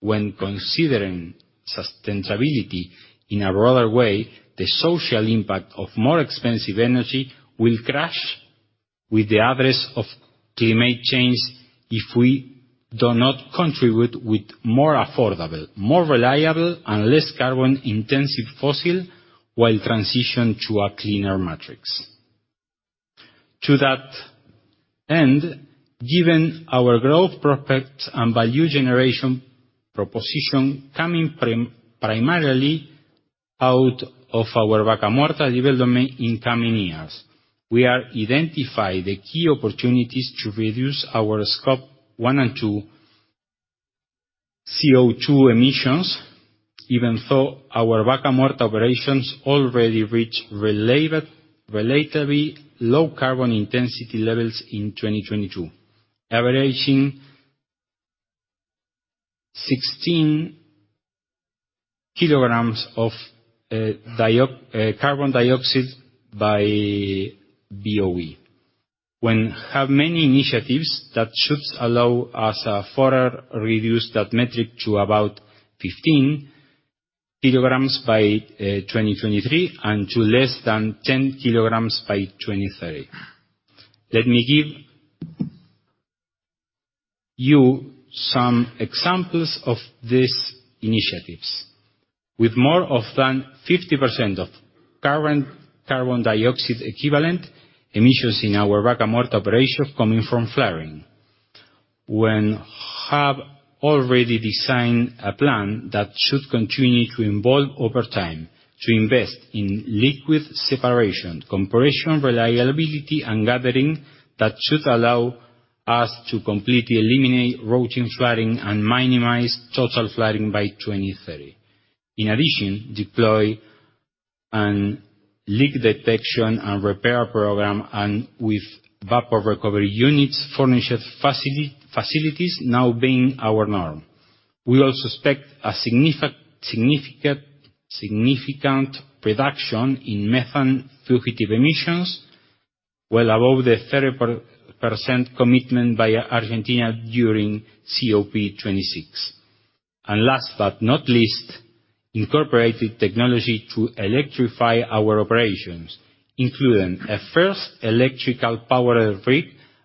when considering sustainability in a broader way, the social impact of more expensive energy will crash with the address of climate change if we do not contribute with more affordable, more reliable, and less carbon-intensive fossil while transition to a cleaner matrix. To that end, given our growth prospects and value generation proposition coming primarily out of our Vaca Muerta development in coming years, we are identify the key opportunities to reduce our Scope 1 and Scope 2 CO2 emissions, even though our Vaca Muerta operations already reached related, relatively low carbon intensity levels in 2022, averaging 16 kg of carbon dioxide by BOE. When have many initiatives that should allow us a further reduce that metric to about 15 kg by 2023 and to less than 10 kg by 2030. Let me give you some examples of these initiatives. With more than 50% of current carbon dioxide equivalent emissions in our Vaca Muerta operation coming from flaring. When have already designed a plan that should continue to evolve over time to invest in liquid separation, compression reliability, and gathering, that should allow us to completely eliminate routine flaring and minimize total flaring by 2030. In addition, deploy an leak detection and repair program and with vapor recovery units, furnished facilities now being our norm. We also expect a significant reduction in methane fugitive emissions, well above the 30% commitment by Argentina during COP26. Last but not least, incorporated technology to electrify our operations, including a first electrical powered rig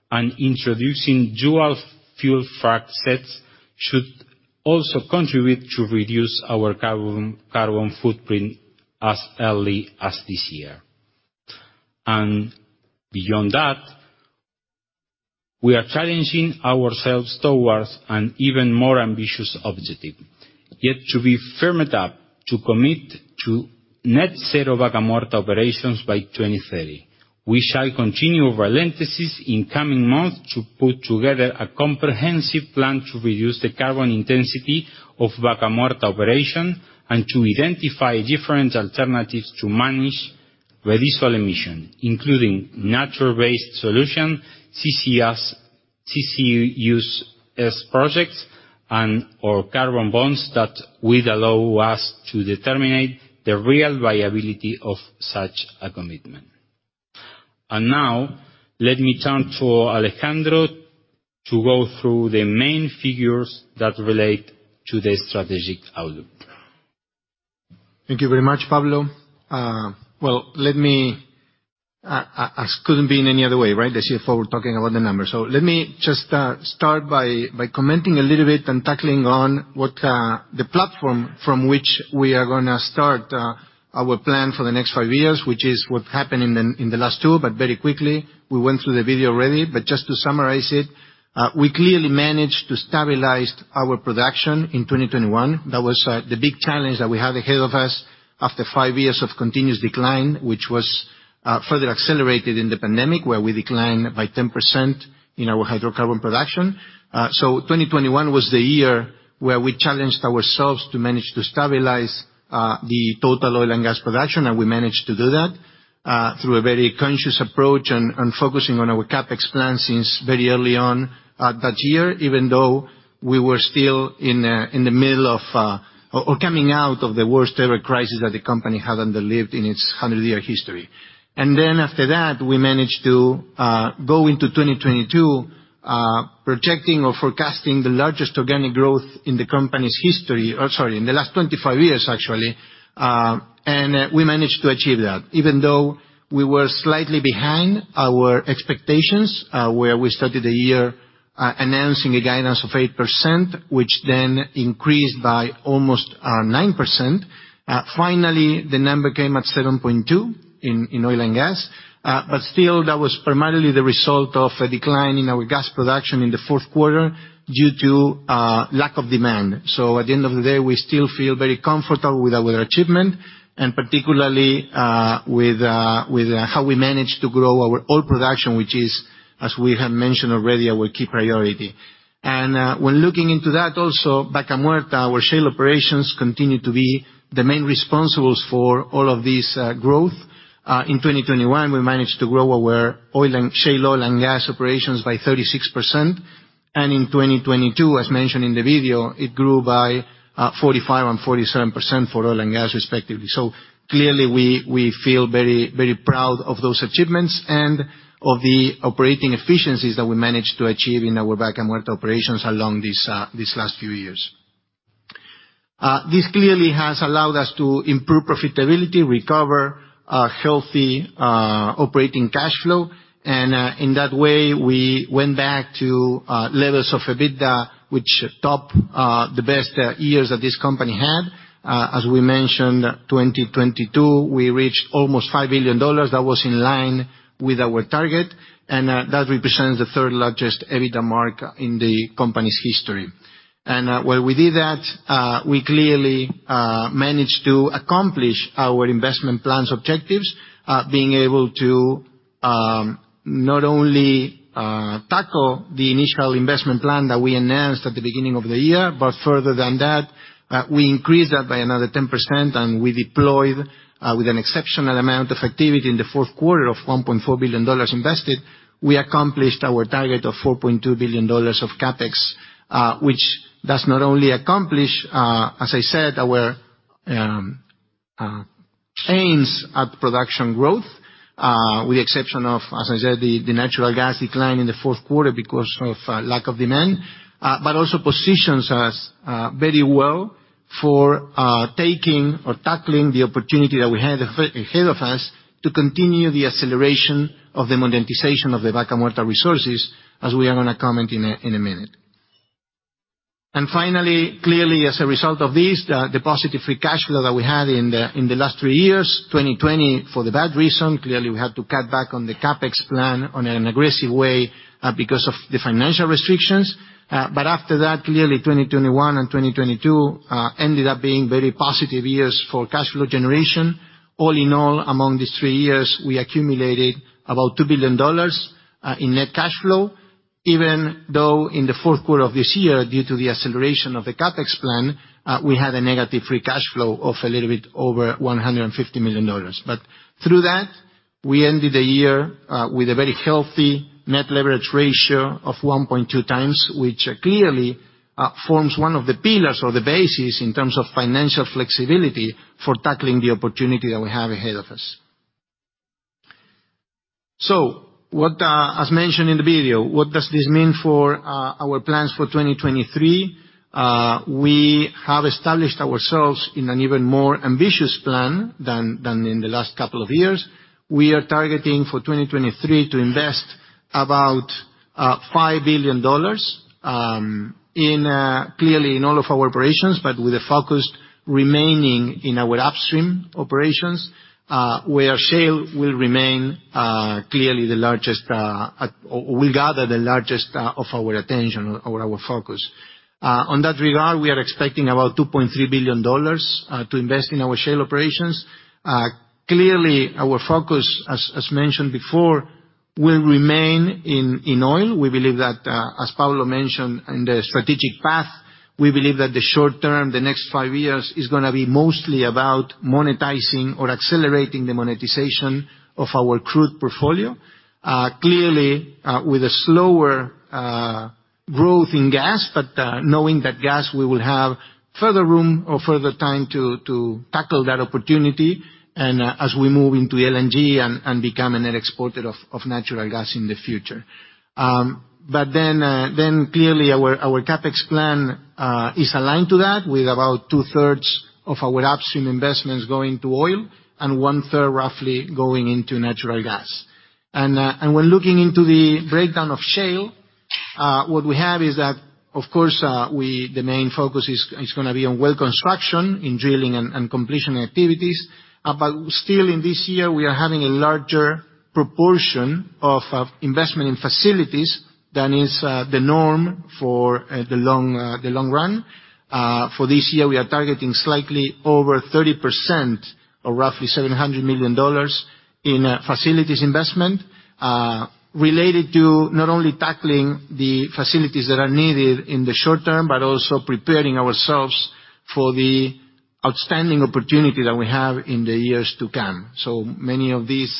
and introducing dual fuel frac sets should also contribute to reduce our carbon footprint as early as this year. Beyond that, we are challenging ourselves towards an even more ambitious objective, yet to be firmed up to commit to net zero Vaca Muerta operations by 2030. We shall continue our lenses in coming months to put together a comprehensive plan to reduce the carbon intensity of Vaca Muerta operation and to identify different alternatives to manage reducible emission, including nature-based solution, CCS, CCUS projects and or carbon bonds that will allow us to determine the real viability of such a commitment. Now let me turn to Alejandro to go through the main figures that relate to the strategic outlook. Thank you very much, Pablo. Well, let me, as couldn't be in any other way, right? The CFO talking about the numbers. Let me just start by commenting a little bit and tackling on what the platform from which we are gonna start our plan for the next five years, which is what happened in the, in the last two. Very quickly, we went through the video already. Just to summarize it, we clearly managed to stabilize our production in 2021. That was the big challenge that we had ahead of us after five years of continuous decline, which was further accelerated in the pandemic where we declined by 10% in our hydrocarbon production. 2021 was the year where we challenged ourselves to manage to stabilize the total oil and gas production, and we managed to do that through a very conscious approach and focusing on our CapEx plan since very early on at that year, even though we were still in the middle of or coming out of the worst-ever crisis that the company had lived in its hundred-year history. After that, we managed to go into 2022, projecting or forecasting the largest organic growth in the company's history. Sorry, in the last 25 years, actually. We managed to achieve that, even though we were slightly behind our expectations, where we started the year announcing a guidance of 8%, which then increased by almost 9%. Finally, the number came at 7.2 in oil and gas. Still, that was primarily the result of a decline in our gas production in the fourth quarter due to lack of demand. At the end of the day, we still feel very comfortable with our achievement and particularly with how we managed to grow our oil production, which is, as we have mentioned already, our key priority. When looking into that also, Vaca Muerta, our shale operations, continue to be the main responsibles for all of this growth. In 2021, we managed to grow our shale oil and gas operations by 36%. In 2022, as mentioned in the video, it grew by 45% and 47% for oil and gas, respectively. Clearly we feel very proud of those achievements and of the operating efficiencies that we managed to achieve in our Vaca Muerta operations along these last few years. This clearly has allowed us to improve profitability, recover a healthy operating cash flow. In that way we went back to levels of EBITDA, which top the best years that this company had. As we mentioned, 2022, we reached almost $5 billion. That was in line with our target. That represents the third-largest EBITDA mark in the company's history. While we did that, we clearly managed to accomplish our investment plan's objectives, being able to not only tackle the initial investment plan that we announced at the beginning of the year, but further than that, we increased that by another 10% and we deployed with an exceptional amount of activity in the fourth quarter of $1.4 billion invested. We accomplished our target of $4.2 billion of CapEx, which does not only accomplish, as I said, our aims at production growth, with the exception of, as I said, the natural gas decline in the fourth quarter because of lack of demand. Also positions us very well for taking or tackling the opportunity that we have ahead of us to continue the acceleration of the monetization of the Vaca Muerta resources, as we are gonna comment in a minute. Finally, clearly, as a result of this, the positive free cash flow that we had in the last three years. 2020, for the bad reason, clearly, we had to cut back on the CapEx plan on an aggressive way because of the financial restrictions. After that, clearly 2021 and 2022 ended up being very positive years for cash flow generation. All in all, among these three years, we accumulated about $2 billion in net cash flow. Even though in the fourth quarter of this year, due to the acceleration of the CapEx plan, we had a negative free cash flow of a little bit over $150 million. Through that, we ended the year with a very healthy net leverage ratio of 1.2x, which clearly forms one of the pillars or the basis in terms of financial flexibility for tackling the opportunity that we have ahead of us. What, as mentioned in the video, what does this mean for our plans for 2023? We have established ourselves in an even more ambitious plan than in the last couple of years. We are targeting for 2023 to invest about $5 billion in, clearly, in all of our operations, but with a focus remaining in our upstream operations, where shale will remain clearly the largest or will gather the largest of our attention or our focus. On that regard, we are expecting about $2.3 billion to invest in our shale operations. Clearly, our focus, as mentioned before will remain in oil. We believe that, as Pablo mentioned in the strategic path, we believe that the short term, the next five years, is gonna be mostly about monetizing or accelerating the monetization of our crude portfolio. Clearly, with a slower growth in gas, knowing that gas we will have further room or further time to tackle that opportunity as we move into LNG and become a net exporter of natural gas in the future. Clearly, our CapEx plan is aligned to that with about 2/3 of our upstream investments going to oil and 1/3 roughly going into natural gas. We're looking into the breakdown of shale. What we have is that, of course, the main focus is gonna be on well construction in drilling and completion activities. Still in this year, we are having a larger proportion of investment in facilities than is the norm for the long run. For this year, we are targeting slightly over 30% or roughly $700 million in facilities investment related to not only tackling the facilities that are needed in the short term, but also preparing ourselves for the outstanding opportunity that we have in the years to come. Many of these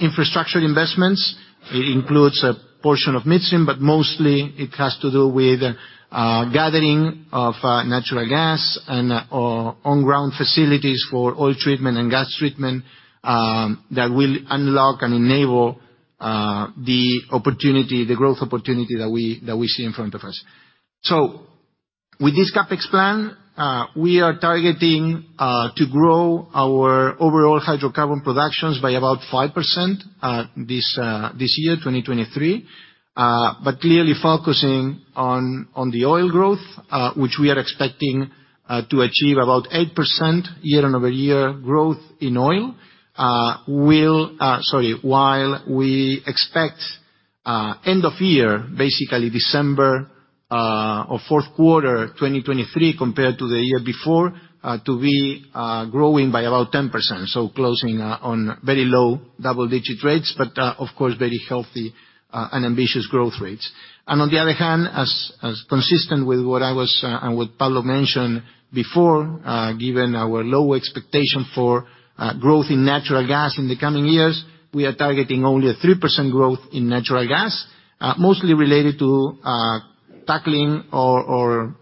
infrastructure investments, it includes a portion of midstream, but mostly it has to do with gathering of natural gas and, or on-ground facilities for oil treatment and gas treatment that will unlock and enable the opportunity, the growth opportunity that we see in front of us. With this CapEx plan, we are targeting to grow our overall hydrocarbon productions by about 5% this year, 2023. Clearly, focusing on the oil growth, which we are expecting to achieve about 8% year-over-year growth in oil. While we expect end of year, basically December, or fourth quarter 2023 compared to the year before, to be growing by about 10%, so closing on very low double-digit rates, but of course, very healthy and ambitious growth rates. On the other hand, as consistent with what I was and what Pablo mentioned before, given our low expectation for growth in natural gas in the coming years, we are targeting only a 3% growth in natural gas, mostly related to tackling or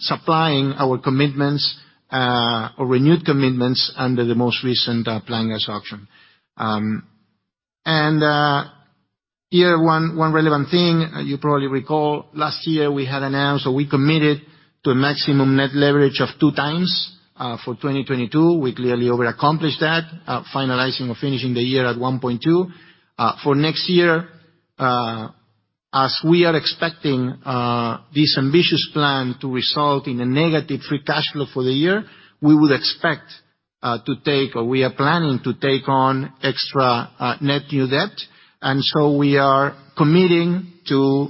supplying our commitments or renewed commitments under the most recent Plan Gas auction. Here, one relevant thing, you probably recall, last year we had announced, so we committed to a maximum net leverage of 2x for 2022. We clearly over-accomplished that, finalizing or finishing the year at 1.2x. For next year, as we are expecting this ambitious plan to result in a negative free cash flow for the year, we would expect to take, or we are planning to take on extra net new debt. We are committing to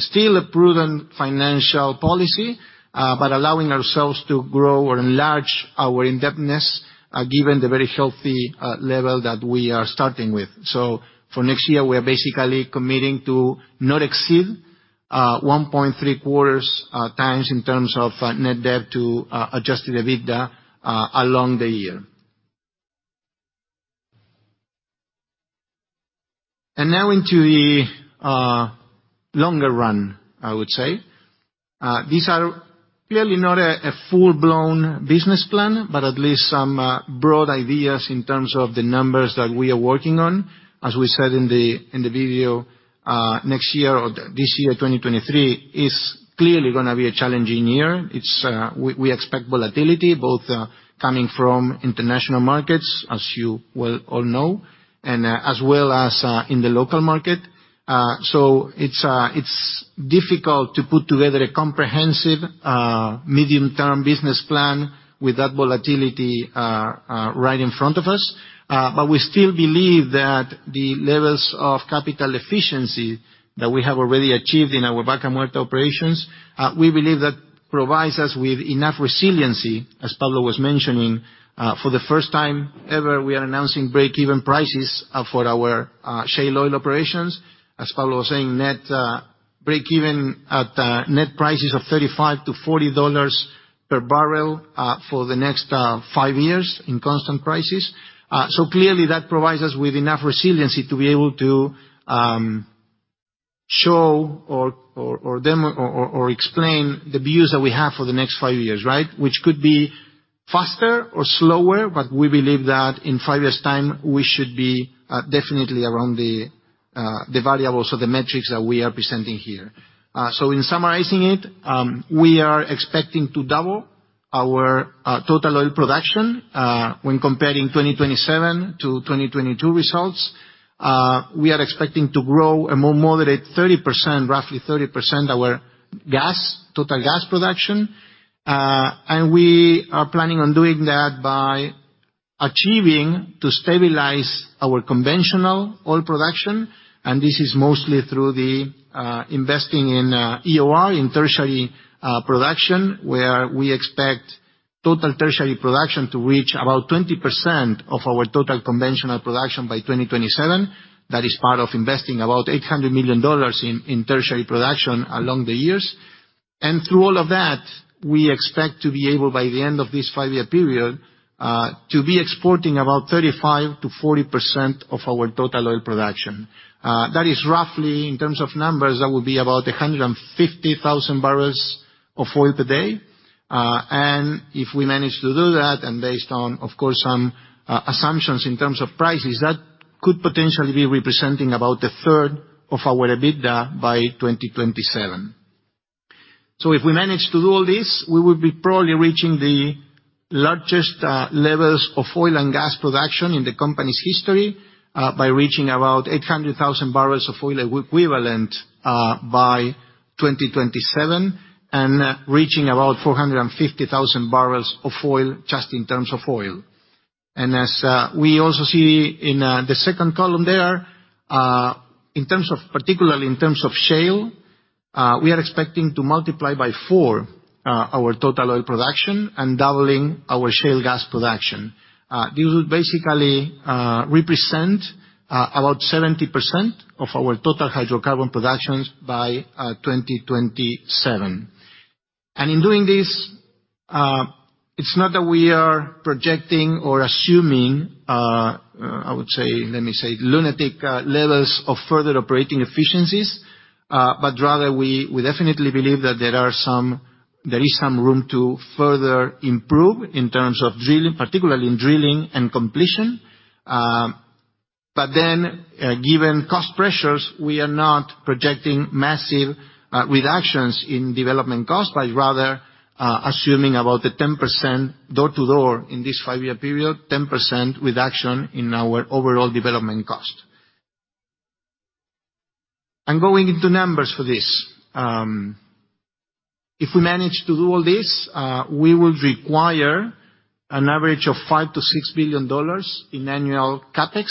still a prudent financial policy, but allowing ourselves to grow or enlarge our indebtedness, given the very healthy level that we are starting with. For next year, we are basically committing to not exceed 1.75x in terms of net debt-to-adjusted EBITDA along the year. Now into the longer run, I would say. These are clearly not a full-blown business plan, but at least some broad ideas in terms of the numbers that we are working on. As we said in the video, next year or this year, 2023, is clearly gonna be a challenging year. We expect volatility both coming from international markets, as you well all know, and as well as in the local market. It's difficult to put together a comprehensive medium-term business plan with that volatility right in front of us. We still believe that the levels of capital efficiency that we have already achieved in our Vaca Muerta operations, we believe that provides us with enough resiliency, as Pablo was mentioning. For the first time ever, we are announcing break-even prices for our shale oil operations. As Pablo was saying, net break even at net prices of $35-$40 per barrel for the next five years in constant prices. Clearly that provides us with enough resiliency to be able to show or demo or explain the views that we have for the next five years, right? Which could be faster or slower, we believe that in five years' time, we should be definitely around the variables or the metrics that we are presenting here. In summarizing it, we are expecting to double our total oil production when comparing 2027 to 2022 results. We are expecting to grow a moderate 30%, roughly 30% our gas, total gas production. We are planning on doing that by achieving to stabilize our conventional oil production, and this is mostly through the investing in EOR, in tertiary production, where we expect total tertiary production to reach about 20% of our total conventional production by 2027. That is part of investing about $800 million in tertiary production along the years. Through all of that, we expect to be able by the end of this five-year period to be exporting about 35%-40% of our total oil production. That is roughly in terms of numbers, that would be about 150,000 barrels of oil per day. If we manage to do that, and based on, of course, some assumptions in terms of prices, that could potentially be representing about 1/3 of our EBITDA by 2027. If we manage to do all this, we will be probably reaching the largest levels of oil and gas production in the company's history, by reaching about 800,000 barrels of oil equivalent by 2027, and reaching about 450,000 barrels of oil just in terms of oil. As we also see in the second column there, in terms of, particularly in terms of shale, we are expecting to multiply by four our total oil production and doubling our shale gas production. This would basically represent about 70% of our total hydrocarbon productions by 2027. In doing this, it's not that we are projecting or assuming, I would say, let me say, lunatic levels of further operating efficiencies, but rather we definitely believe that there is some room to further improve in terms of drilling, particularly in drilling and completion. Given cost pressures, we are not projecting massive reductions in development cost, but rather assuming about a 10% door-to-door in this five-year period, 10% reduction in our overall development cost. Going into numbers for this, if we manage to do all this, we would require an average of $5 billion-$6 billion in annual CapEx,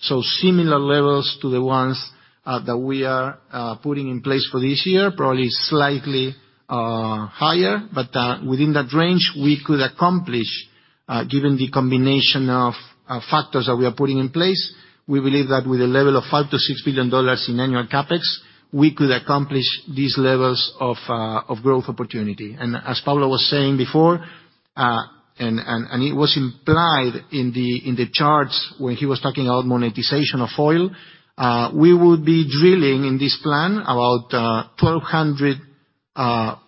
so similar levels to the ones that we are putting in place for this year, probably slightly higher. Within that range, we could accomplish, given the combination of factors that we are putting in place, we believe that with a level of $5 billion-$6 billion in annual CapEx, we could accomplish these levels of growth opportunity. As Pablo was saying before, it was implied in the charts when he was talking about monetization of oil, we would be drilling in this plan about 1,200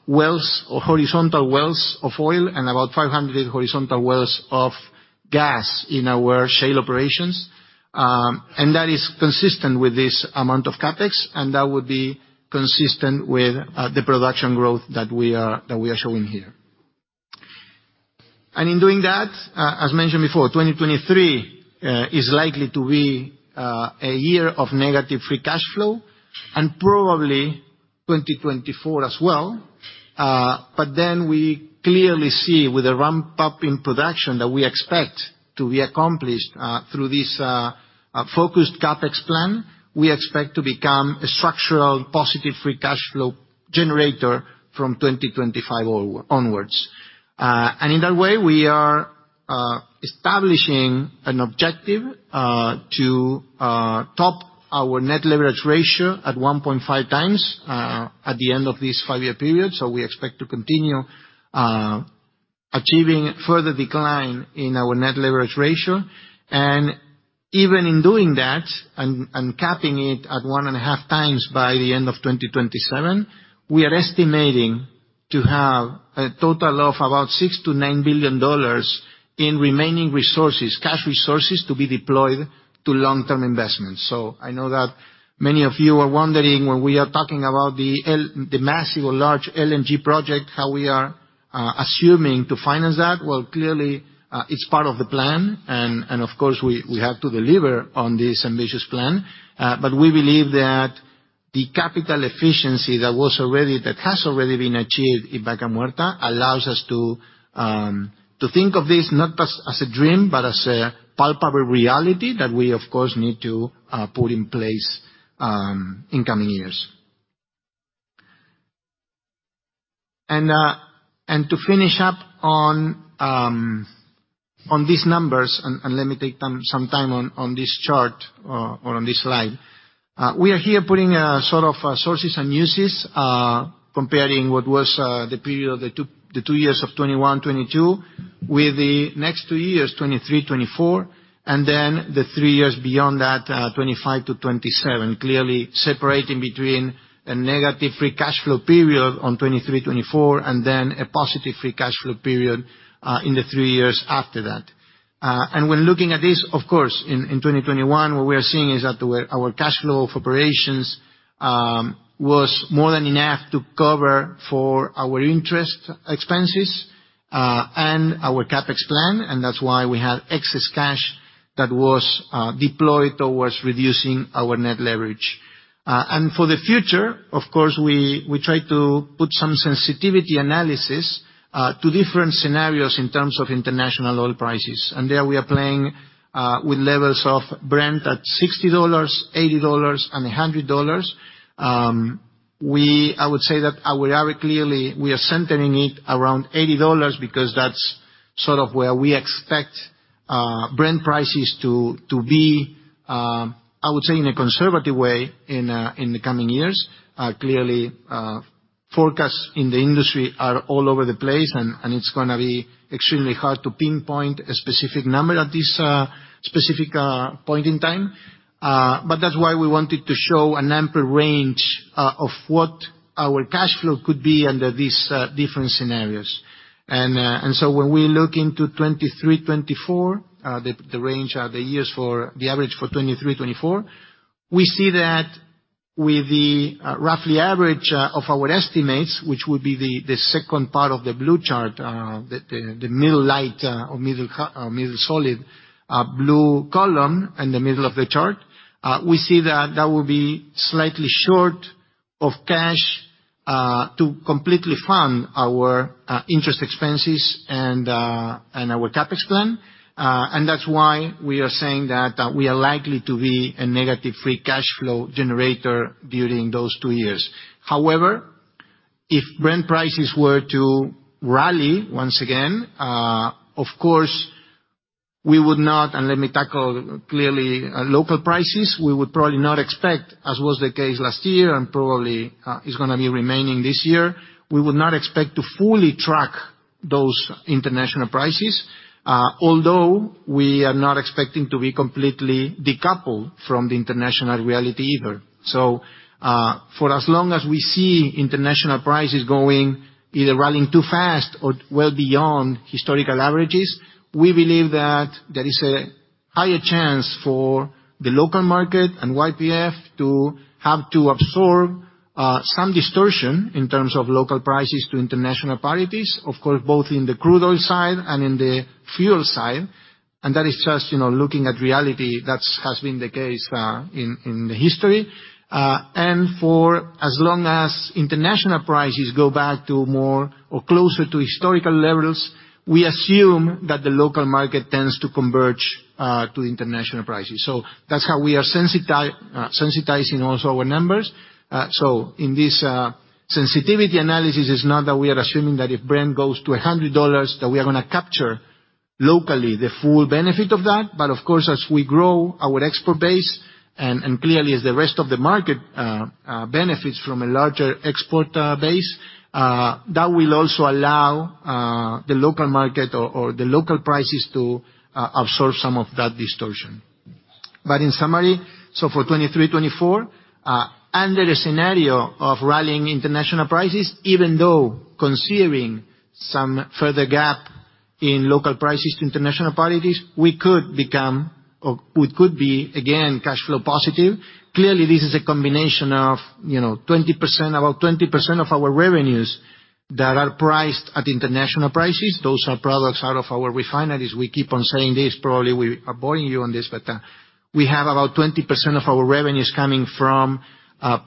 wells or horizontal wells of oil and about 500 horizontal wells of gas in our shale operations. That is consistent with this amount of CapEx, and that would be consistent with the production growth that we are showing here. In doing that, as mentioned before, 2023 is likely to be a year of negative free cash flow and probably 2024 as well. We clearly see with a ramp-up in production that we expect to be accomplished through this focused CapEx plan, we expect to become a structural positive free cash flow generator from 2025 onwards. In that way, we are establishing an objective to top our net leverage ratio at 1.5x at the end of this five-year period. We expect to continue achieving further decline in our net leverage ratio. Even in doing that and capping it at 1.5x by the end of 2027, we are estimating to have a total of about $6 billion-$9 billion in remaining resources, cash resources to be deployed to long-term investments. I know that many of you are wondering when we are talking about the massive or large LNG project, how we are assuming to finance that. Clearly, it's part of the plan and of course, we have to deliver on this ambitious plan. We believe that the capital efficiency that has already been achieved in Vaca Muerta allows us to think of this not as a dream, but as a palpable reality that we, of course, need to put in place in coming years. To finish up on these numbers, and let me take some time on this chart or on this slide. We are here putting, sort of, sources and uses, comparing what was the period of the two years of 2021, 2022 with the next two years, 2023, 2024, and then the three years beyond that, 2025-2027, clearly separating between a negative free cash flow period on 2023, 2024 and then a positive free cash flow period in the three years after that. When looking at this, of course, in 2021, what we are seeing is that the way our cash flow of operations was more than enough to cover for our interest expenses and our CapEx plan, and that's why we had excess cash that was deployed towards reducing our net leverage. For the future, of course, we try to put some sensitivity analysis to different scenarios in terms of international oil prices. There we are playing with levels of Brent at $60, $80, and $100. I would say that our clearly we are centering it around $80 because that's sort of where we expect Brent prices to be, I would say in a conservative way in the coming years. Clearly, forecasts in the industry are all over the place and it's gonna be extremely hard to pinpoint a specific number at this specific point in time. That's why we wanted to show a number range of what our cash flow could be under these different scenarios. When we look into 2023, 2024, the range of the years for the average for 2023, 2024, we see that with the roughly average of our estimates, which would be the second part of the blue chart, the middle light or middle solid blue column in the middle of the chart, we see that that will be slightly short of cash to completely fund our interest expenses and our CapEx plan. And that's why we are saying that we are likely to be a negative free cash flow generator during those two years. However, if Brent prices were to rally once again, of course, we would not, and let me tackle clearly local prices. We would probably not expect, as was the case last year and probably is gonna be remaining this year, we would not expect to fully track those international prices, although we are not expecting to be completely decoupled from the international reality either. For as long as we see international prices going either rallying too fast or well beyond historical averages, we believe that there is a higher chance for the local market and YPF to have to absorb some distortion in terms of local prices to international parities, of course, both in the crude oil side and in the fuel side. That is just, you know, looking at reality. That's has been the case, in the history. For as long as international prices go back to more or closer to historical levels, we assume that the local market tends to converge to international prices. That's how we are sensitizing also our numbers. In this sensitivity analysis, it's not that we are assuming that if Brent goes to $100, that we are gonna capture locally the full benefit of that. Of course, as we grow our export base and clearly as the rest of the market benefits from a larger export base, that will also allow the local market or the local prices to absorb some of that distortion. In summary, for 2023, 2024, under the scenario of rallying international prices, even though considering some further gap in local prices to international parities, we could become or we could be, again, cash flow positive. Clearly, this is a combination of, you know, 20%, about 20% of our revenues that are priced at international prices. Those are products out of our refineries. We keep on saying this, probably we are boring you on this, but we have about 20% of our revenues coming from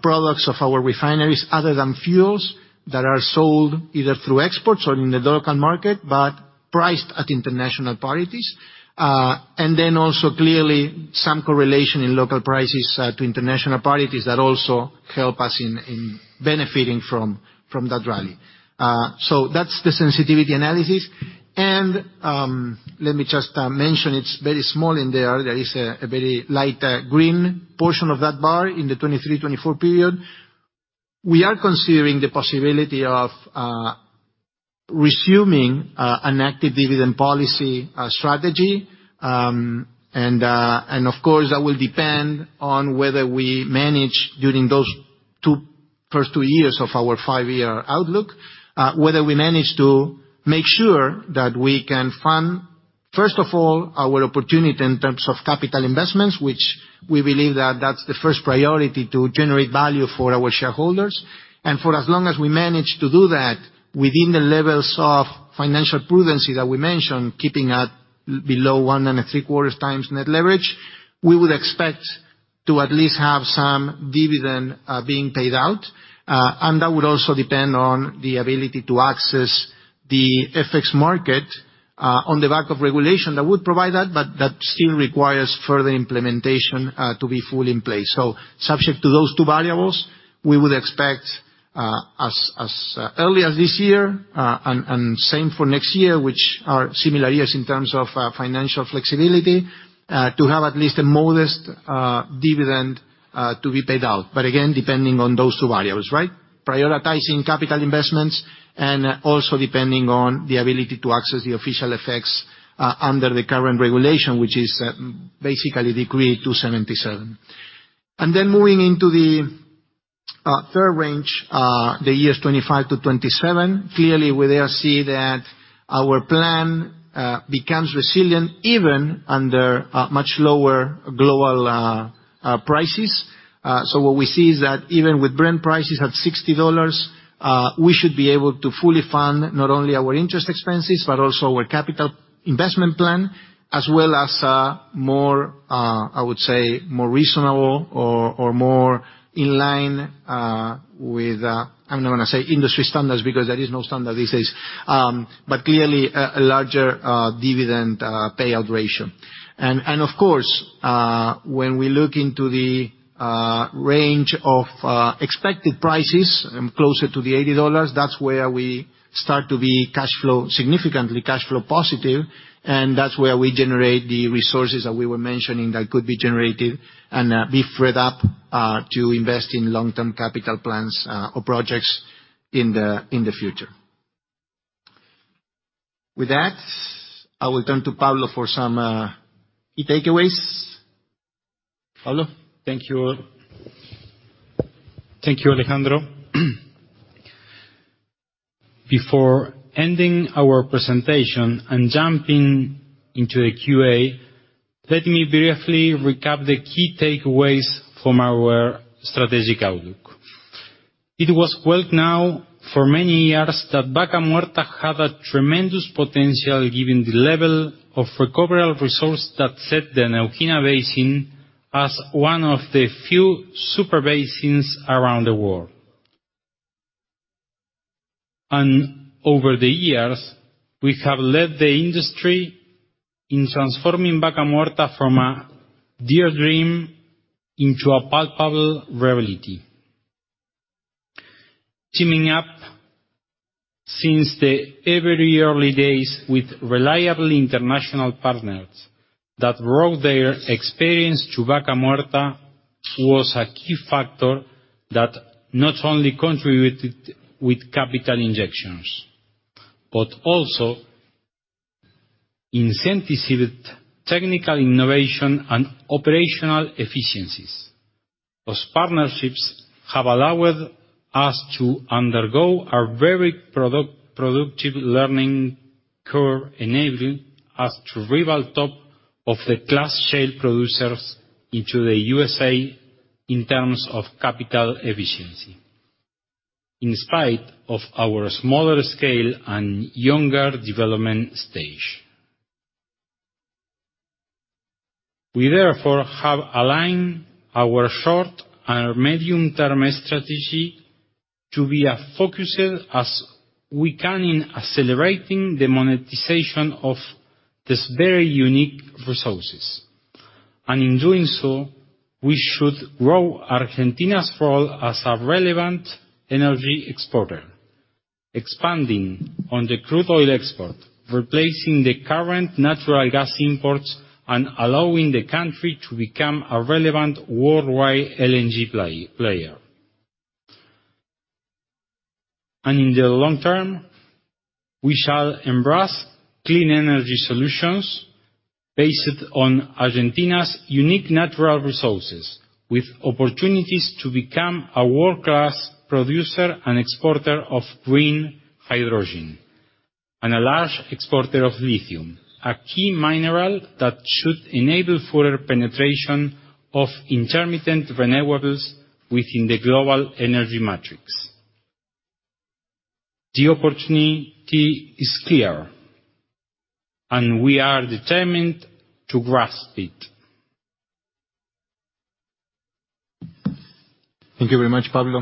products of our refineries other than fuels that are sold either through exports or in the local market, but priced at international parities. Also clearly some correlation in local prices to international parities that also help us in benefiting from that rally. That's the sensitivity analysis. Let me just mention it's very small in there. There is a very light green portion of that bar in the 2023-2024 period. We are considering the possibility of resuming an active dividend policy strategy. Of course, that will depend on whether we manage during those two, first two years of our five-year outlook, whether we manage to make sure that we can fund, first of all, our opportunity in terms of capital investments, which we believe that that's the first priority to generate value for our shareholders. For as long as we manage to do that within the levels of financial prudency that we mentioned, keeping at below 1.75x net leverage, we would expect to at least have some dividend being paid out. And that would also depend on the ability to access the FX market on the back of regulation that would provide that, but that still requires further implementation to be fully in place. Subject to those two variables, we would expect as early as this year and same for next year, which are similar years in terms of financial flexibility, to have at least a modest dividend to be paid out. Again, depending on those two variables, right? Prioritizing capital investments and also depending on the ability to access the official FX under the current regulation, which is basically Decree 277. Moving into the third range, the years 2025-2027. Clearly, we there see that our plan becomes resilient even under much lower global prices. What we see is that even with Brent prices at $60, we should be able to fully fund not only our interest expenses, but also our capital investment plan, as well as more, I would say more reasonable or more in line, with I'm not gonna say industry standards because there is no standard these days, but clearly a larger dividend payout ratio. Of course, when we look into the range of expected prices and closer to the $80, that's where we start to be cash flow, significantly cash flow positive, and that's where we generate the resources that we were mentioning that could be generated and be freed up to invest in long-term capital plans or projects in the future. With that, I will turn to Pablo for some key takeaways. Pablo? Thank you, all. Thank you, Alejandro. Before ending our presentation and jumping into the QA, let me briefly recap the key takeaways from our strategic outlook. It was well known for many years that Vaca Muerta had a tremendous potential, given the level of recoverable resource that set the Neuquén Basin as one of the few super basins around the world. Over the years, we have led the industry in transforming Vaca Muerta from a dear dream into a palpable reality. Teaming up since the very early days with reliable international partners that brought their experience to Vaca Muerta was a key factor that not only contributed with capital injections, but also incentivized technical innovation and operational efficiencies. Those partnerships have allowed us to undergo a very productive learning curve, enabling us to rival top of the class shale producers into the USA in terms of capital efficiency, in spite of our smaller scale and younger development stage. We therefore have aligned our short- and medium-term strategy to be as focused as we can in accelerating the monetization of these very unique resources. In doing so, we should grow Argentina's role as a relevant energy exporter, expanding on the crude oil export, replacing the current natural gas imports, and allowing the country to become a relevant worldwide LNG player. In the long term, we shall embrace clean energy solutions based on Argentina's unique natural resources, with opportunities to become a world-class producer and exporter of green hydrogen and a large exporter of lithium, a key mineral that should enable further penetration of intermittent renewables within the global energy matrix. The opportunity is clear, and we are determined to grasp it. Thank you very much, Pablo.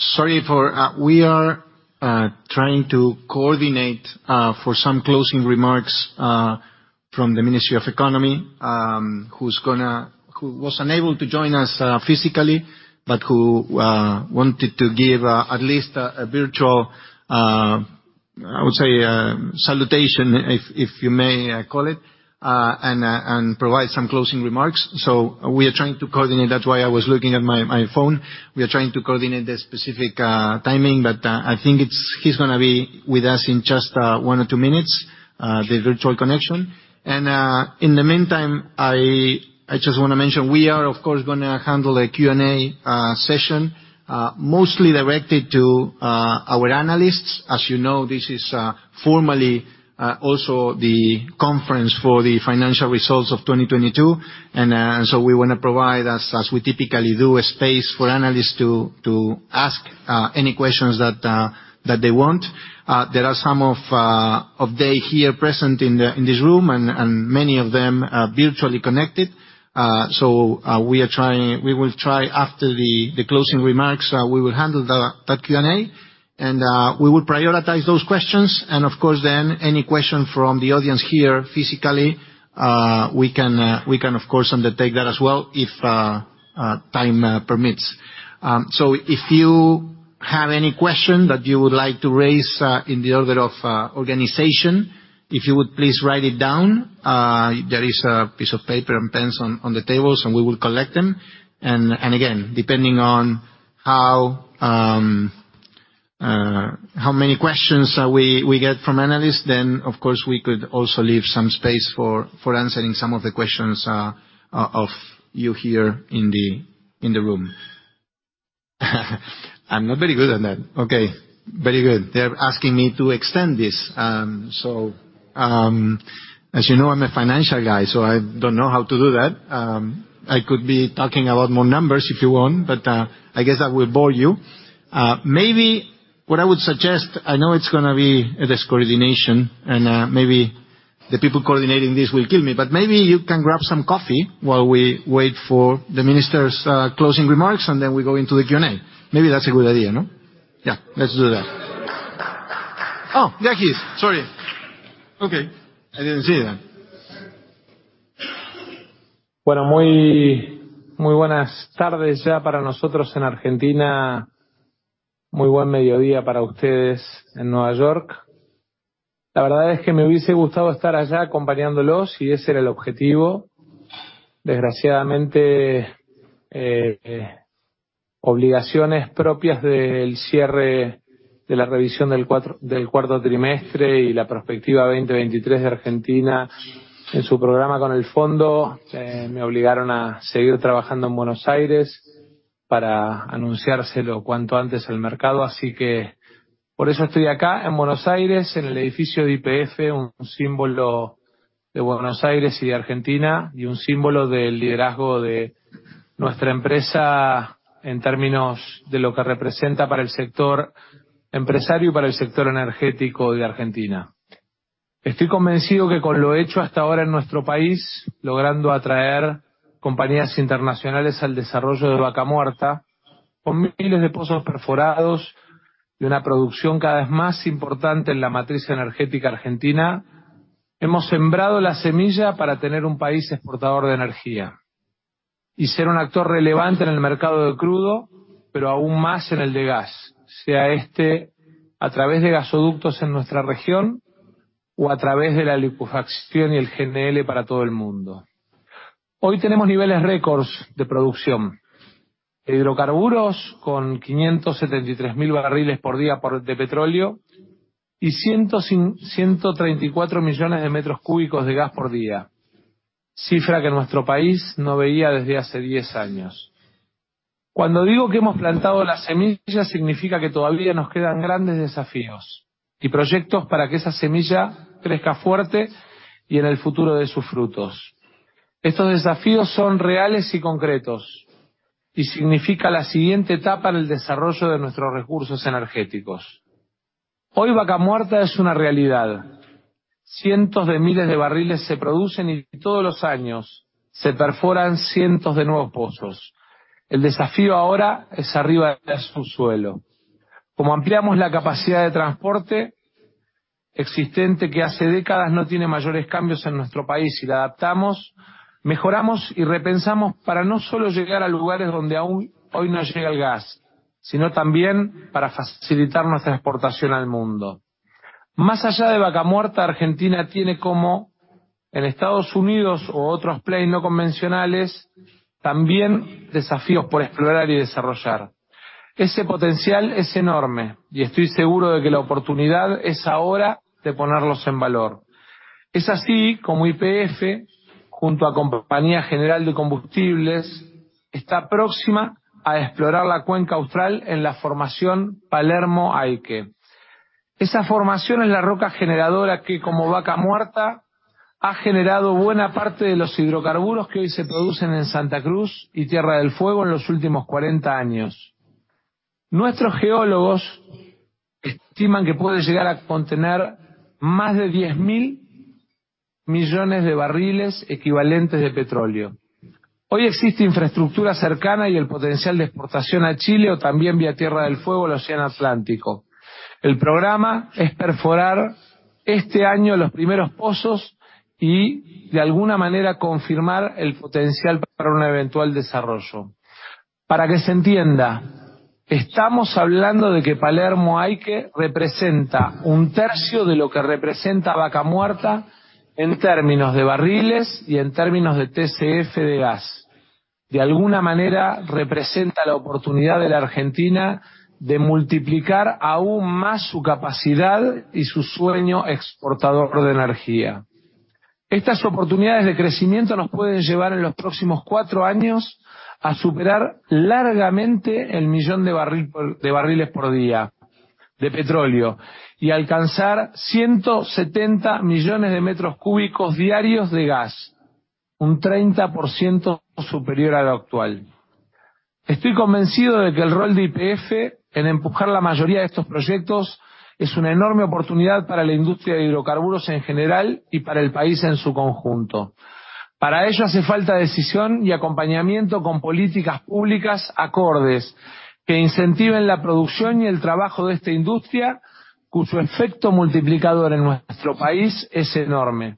Sorry for... We are trying to coordinate for some closing remarks from the Ministry of Economy, who was unable to join us physically, but who wanted to give at least a virtual, I would say a salutation, if you may, call it, and provide some closing remarks. We are trying to coordinate. That's why I was looking at my phone. We are trying to coordinate the specific timing, but I think he's gonna be with us in just one or two minutes, the virtual connection. In the meantime, I just wanna mention we are of course gonna handle a Q&A session mostly directed to our analysts. As you know, this is formally also the conference for the financial results of 2022. We wanna provide, as we typically do, a space for analysts to ask any questions that they want. There are some of they here present in this room and many of them virtually connected. We will try after the closing remarks, we will handle that Q&A, and we will prioritize those questions. Of course, then any question from the audience here physically, we can of course undertake that as well, if time permits. If you have any question that you would like to raise, in the order of organization, if you would please write it down. There is a piece of paper and pens on the tables, and we will collect them. Again, depending on how many questions we get from analysts, then of course we could also leave some space for answering some of the questions of you here in the room. I'm not very good at that. Okay, very good, they're asking me to extend this. As you know, I'm a financial guy, so I don't know how to do that. I could be talking a lot more numbers, if you want, but I guess that will bore you. Maybe what I would suggest, I know it's gonna be a discoordination, maybe the people coordinating this will kill me, maybe you can grab some coffee while we wait for the Minister's closing remarks, then we go into the Q&A. Maybe that's a good idea, no? Yeah, let's do that. There he is. Sorry. Okay. I didn't see that. Bueno, muy buenas tardes ya para nosotros en Argentina. Muy buen mediodía para ustedes en Nueva York. La verdad es que me hubiese gustado estar allá acompañándolos, y ese era el objetivo. Desgraciadamente, obligaciones propias del cierre de la revisión del cuarto trimestre y la prospectiva 2023 de Argentina en su programa con el fondo me obligaron a seguir trabajando en Buenos Aires para anunciárselo cuanto antes al mercado. Así que por eso estoy acá, en Buenos Aires, en el edificio de YPF, un símbolo de Buenos Aires y de Argentina, y un símbolo del liderazgo de nuestra empresa en términos de lo que representa para el sector empresario y para el sector energético de Argentina. Estoy convencido que con lo hecho hasta ahora en nuestro país, logrando atraer compañías internacionales al desarrollo de Vaca Muerta, con miles de pozos perforados y una producción cada vez más importante en la matriz energética argentina, hemos sembrado la semilla para tener un país exportador de energía y ser un actor relevante en el mercado de crudo, pero aún más en el de gas, sea este a través de gasoductos en nuestra región o a través de la licuefacción y el GNL para todo el mundo. Hoy tenemos niveles récords de producción: hidrocarburos con 573,000 barriles por día de petróleo y 134 millones de metros cúbicos de gas por día, cifra que nuestro país no veía desde hace 10 años. Cuando digo que hemos plantado la semilla, significa que todavía nos quedan grandes desafíos y proyectos para que esa semilla crezca fuerte y en el futuro dé sus frutos. Estos desafíos son reales y concretos, y significa la siguiente etapa en el desarrollo de nuestros recursos energéticos. Hoy Vaca Muerta es una realidad. Cientos de miles de barriles se producen y todos los años se perforan cientos de nuevos pozos. El desafío ahora es arriba del subsuelo, cómo ampliamos la capacidad de transporte existente, que hace décadas no tiene mayores cambios en nuestro país, y la adaptamos, mejoramos y repensamos para no solo llegar a lugares donde aún hoy no llega el gas, sino también para facilitar nuestra exportación al mundo. Más allá de Vaca Muerta, Argentina tiene como en Estados Unidos u otros plays no convencionales, también desafíos por explorar y desarrollar. Ese potencial es enorme y estoy seguro de que la oportunidad es ahora de ponerlos en valor. Es así como YPF, junto a Compañía General de Combustibles, está próxima a explorar la Cuenca Austral en la formación Palermo-Aike. Esa formación es la roca generadora que, como Vaca Muerta, ha generado buena parte de los hidrocarburos que hoy se producen en Santa Cruz y Tierra del Fuego en los últimos 40 años. Nuestros geólogos estiman que puede llegar a contener más de 10 billion barriles equivalentes de petróleo. Hoy existe infraestructura cercana y el potencial de exportación a Chile o también vía Tierra del Fuego al océano Atlántico. El programa es perforar este año los primeros pozos y de alguna manera confirmar el potencial para un eventual desarrollo. Para que se entienda, estamos hablando de que Palermo-Aike representa un tercio de lo que representa Vaca Muerta en términos de barriles y en términos de TCF de gas. Representa la oportunidad de la Argentina de multiplicar aún más su capacidad y su sueño exportador de energía. Estas oportunidades de crecimiento nos pueden llevar en los próximos cuatro años a superar largamente el millón de barriles por día de petróleo y alcanzar 170 millones de metros cúbicos diarios de gas, un 30% superior a lo actual. Estoy convencido de que el rol de YPF en empujar la mayoría de estos proyectos es una enorme oportunidad para la industria de hidrocarburos en general y para el país en su conjunto. Para ello hace falta decisión y acompañamiento con políticas públicas acordes que incentiven la producción y el trabajo de esta industria, cuyo efecto multiplicador en nuestro país es enorme.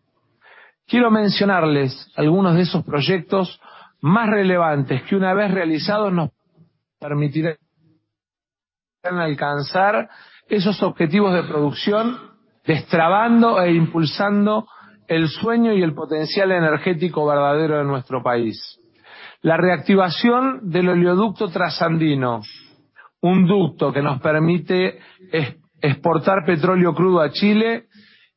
Quiero mencionarles algunos de esos proyectos más relevantes que una vez realizados nos permitirán alcanzar esos objetivos de producción, destrabando e impulsando el sueño y el potencial energético verdadero de nuestro país. La reactivación del Oleoducto Trasandino, un ducto que nos permite exportar petróleo crudo a Chile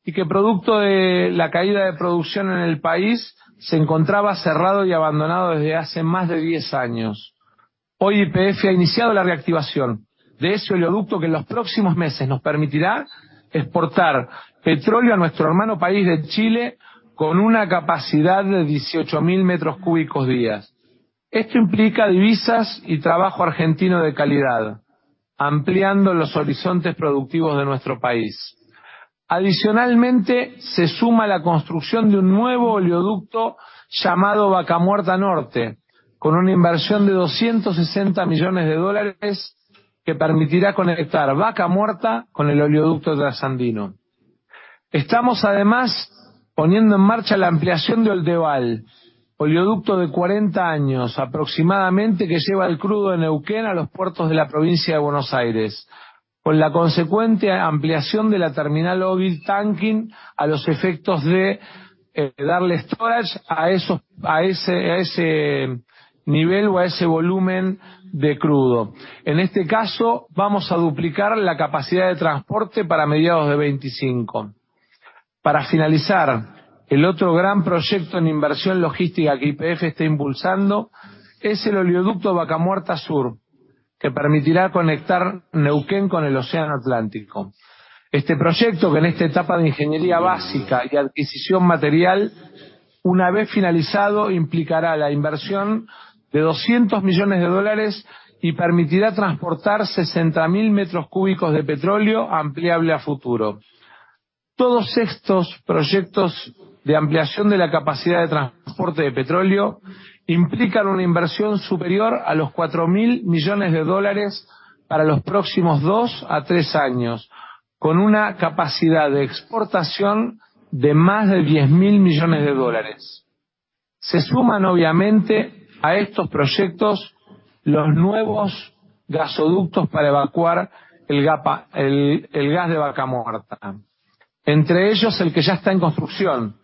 y que, producto de la caída de producción en el país, se encontraba cerrado y abandonado desde hace más de 10 años. Hoy YPF ha iniciado la reactivación de ese Oleoducto, que en los próximos meses nos permitirá exportar petróleo a nuestro hermano país de Chile con una capacidad de 18,000 metros cúbicos días. Esto implica divisas y trabajo argentino de calidad, ampliando los horizontes productivos de nuestro país. Se suma la construcción de un nuevo oleoducto llamado Vaca Muerta Norte, con una inversión de $260 million, que permitirá conectar Vaca Muerta con el oleoducto Trasandino. Poniendo en marcha la ampliación de Oldelval, oleoducto de 40 años aproximadamente, que lleva el crudo de Neuquén a los puertos de la provincia de Buenos Aires. Con la consecuente ampliación de la terminal Oiltanking a los efectos de darle storage a ese nivel o a ese volumen de crudo. En este caso, vamos a duplicar la capacidad de transporte para mediados de 2025. Para finalizar, el otro gran proyecto en inversión logística que YPF está impulsando es el oleoducto Vaca Muerta Sur, que permitirá conectar Neuquén con el océano Atlántico. Este proyecto, que en esta etapa de ingeniería básica y adquisición material, una vez finalizado, implicará la inversión de $200 million y permitirá transportar 60,000 metros cúbicos de petróleo, ampliable a futuro. Todos estos proyectos de ampliación de la capacidad de transporte de petróleo implican una inversión superior a los $4 billion para los próximos 2-3 years, con una capacidad de exportación de más de $10 billion. Se suman, obviamente, a estos proyectos los nuevos gasoductos para evacuar el gas de Vaca Muerta. Entre ellos, el que ya está en construcción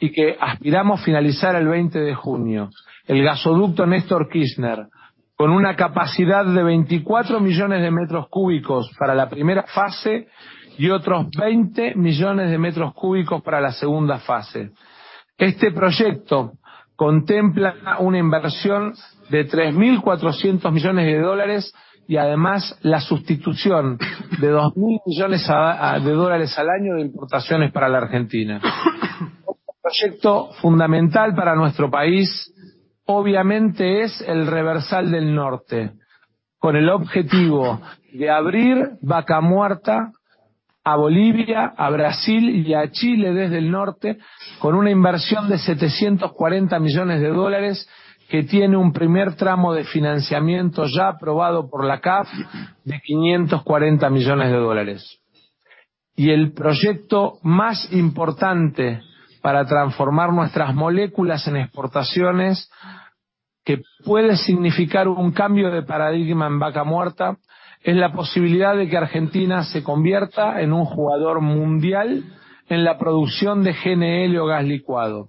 y que aspiramos finalizar el 20 de junio: el Gasoducto Néstor Kirchner, con una capacidad de 24 million metros cúbicos para la primera fase y otros 20 million metros cúbicos para la segunda fase. Este proyecto contempla una inversión de $3,400 million de dólares y además, la sustitución de $2,000 million de dólares al año de importaciones para la Argentina. Otro proyecto fundamental para nuestro país, obviamente, es el Reversal del Norte, con el objetivo de abrir Vaca Muerta a Bolivia, a Brasil y a Chile desde el norte, con una inversión de $740 million de dólares, que tiene un primer tramo de financiamiento ya aprobado por la CAF de $540 million de dólares. El proyecto más importante para transformar nuestras moléculas en exportaciones, que puede significar un cambio de paradigma en Vaca Muerta, es la posibilidad de que Argentina se convierta en un jugador mundial en la producción de GNL o gas licuado.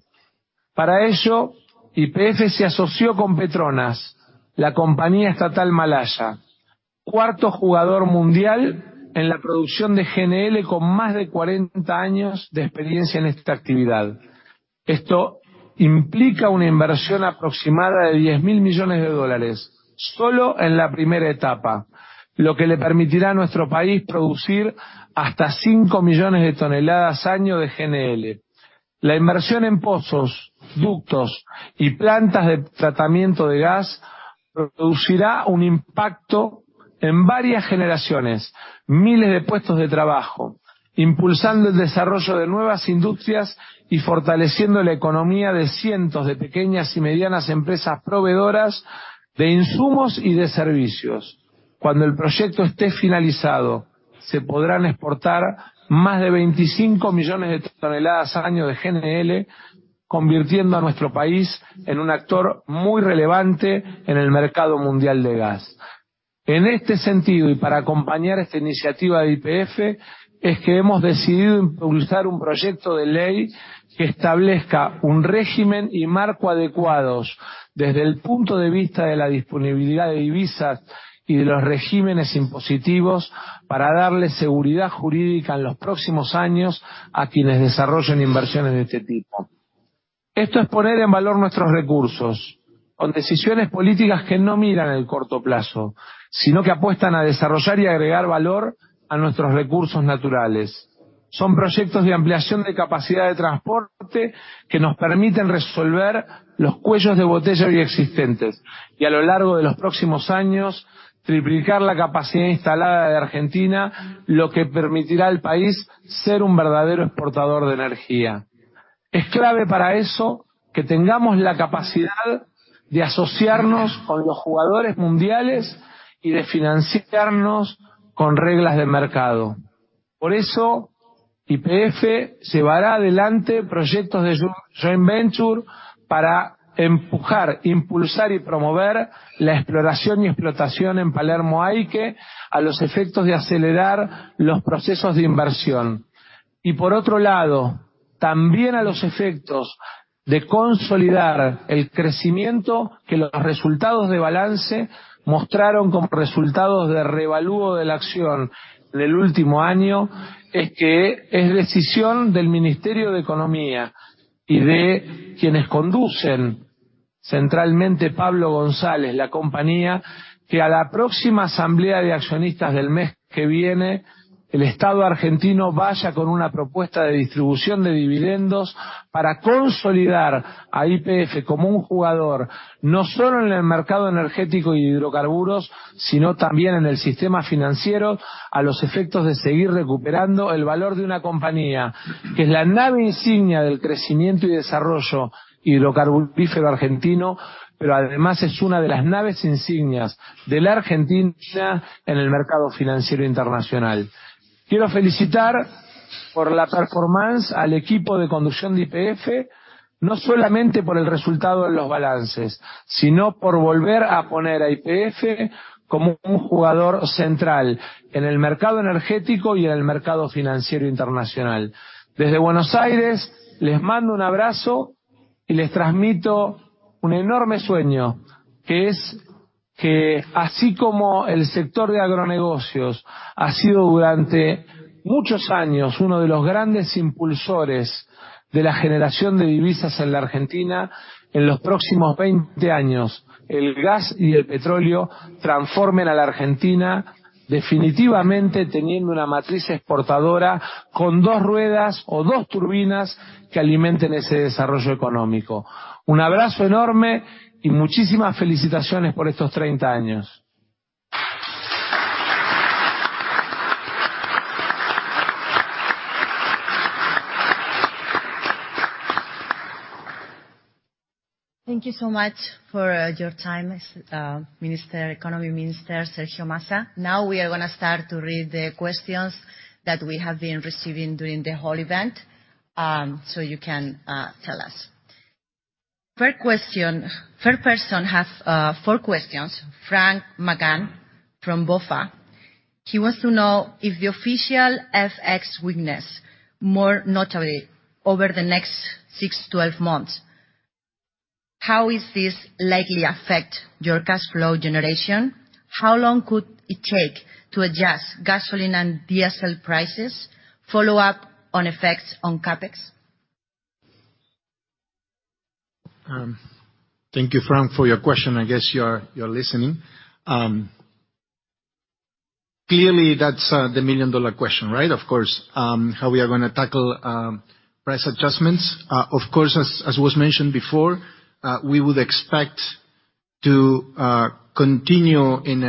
Para ello, YPF se asoció con PETRONAS, la compañía estatal malaya, cuarto jugador mundial en la producción de GNL, con más de 40 años de experiencia en esta actividad. Esto implica una inversión aproximada de $10 billion solo en la primera etapa, lo que le permitirá a nuestro país producir hasta 5 million toneladas año de GNL. La inversión en pozos, ductos y plantas de tratamiento de gas producirá un impacto en varias generaciones, miles de puestos de trabajo, impulsando el desarrollo de nuevas industrias y fortaleciendo la economía de cientos de pequeñas y medianas empresas proveedoras de insumos y de servicios. Cuando el proyecto esté finalizado, se podrán exportar más de 25 million toneladas año de GNL, convirtiendo a nuestro país en un actor muy relevante en el mercado mundial de gas. En este sentido, y para acompañar esta iniciativa de YPF, es que hemos decidido impulsar un proyecto de ley que establezca un régimen y marco adecuados desde el punto de vista de la disponibilidad de divisas y de los regímenes impositivos para darle seguridad jurídica en los próximos años a quienes desarrollen inversiones de este tipo. Esto es poner en valor nuestros recursos con decisiones políticas que no miran el corto plazo, sino que apuestan a desarrollar y agregar valor a nuestros recursos naturales. Son proyectos de ampliación de capacidad de transporte que nos permiten resolver los cuellos de botella ya existentes y, a lo largo de los próximos años, triplicar la capacidad instalada de Argentina, lo que permitirá al país ser un verdadero exportador de energía. Es clave para eso que tengamos la capacidad de asociarnos con los jugadores mundiales y de financiarnos con reglas de mercado. Por eso, YPF llevará adelante proyectos de joint venture para empujar, impulsar y promover la exploración y explotación en Palermo Aike, a los efectos de acelerar los procesos de inversión. Por otro lado, también a los efectos de consolidar el crecimiento que los resultados de balance mostraron como resultados de revalúo de la acción del último año, es que es decisión del Ministerio de Economía y de quienes conducen, centralmente Pablo González, la compañía, que a la próxima asamblea de accionistas del mes que viene, el Estado argentino vaya con una propuesta de distribución de dividendos para consolidar a YPF como un jugador, no solo en el mercado energético de hidrocarburos, sino también en el sistema financiero, a los efectos de seguir recuperando el valor de una compañía que es la nave insignia del crecimiento y desarrollo hidrocarburífero argentino, pero además es una de las naves insignias de la Argentina en el mercado financiero internacional. Quiero felicitar por la performance al equipo de conducción de YPF, no solamente por el resultado en los balances, sino por volver a poner a YPF como un jugador central en el mercado energético y en el mercado financiero internacional. Desde Buenos Aires les mando un abrazo y les transmito un enorme sueño, que es que así como el sector de agronegocios ha sido durante muchos años uno de los grandes impulsores de la generación de divisas en la Argentina, en los próximos 20 años, el gas y el petróleo transformen a la Argentina definitivamente teniendo una matriz exportadora con dos ruedas o dos turbinas que alimenten ese desarrollo económico. Un abrazo enorme y muchísimas felicitaciones por estos 30 años. Thank you so much for your time, Minister, Economy Minister Sergio Massa. Now, we are gonna start to read the questions that we have been receiving during the whole event, so you can tell us. Third question... Third person have four questions. Frank McGann from BofA. He wants to know if the official FX weakness, more notably over the next six to 12 months, how is this likely affect your cash flow generation? How long could it take to adjust gasoline and diesel prices? Follow up on effects on CapEx. Thank you, Frank, for your question. I guess you're listening. Clearly that's the million-dollar question, right? Of course, how we are gonna tackle price adjustments. Of course, as was mentioned before, we would expect to continue in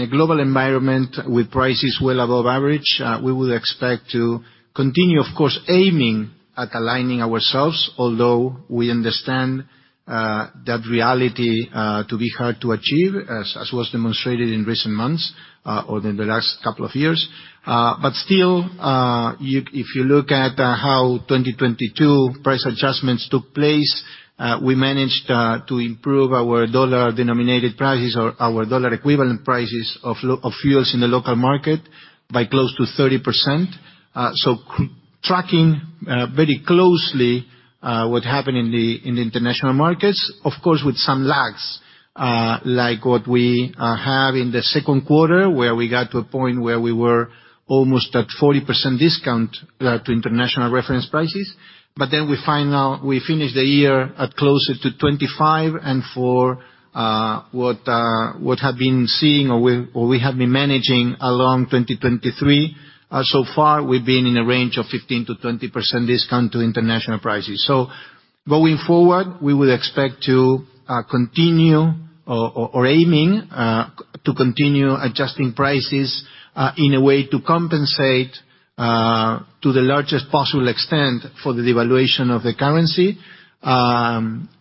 a global environment with prices well above average. We would expect to continue, of course, aiming at aligning ourselves. Although we understand that reality to be hard to achieve as was demonstrated in recent months or in the last couple of years. Still, if you look at how 2022 price adjustments took place, we managed to improve our dollar-denominated prices or our dollar equivalent prices of fuels in the local market by close to 30%. Tracking very closely what happened in the international markets, of course, with some lags, like what we have in the second quarter, where we got to a point where we were almost at 40% discount to international reference prices. We finished the year at closer to 25%. What had been seeing along 2023, so far we've been in a range of 15%-20% discount to international prices. We will expect to continue adjusting prices in a way to compensate to the largest possible extent for the devaluation of the currency.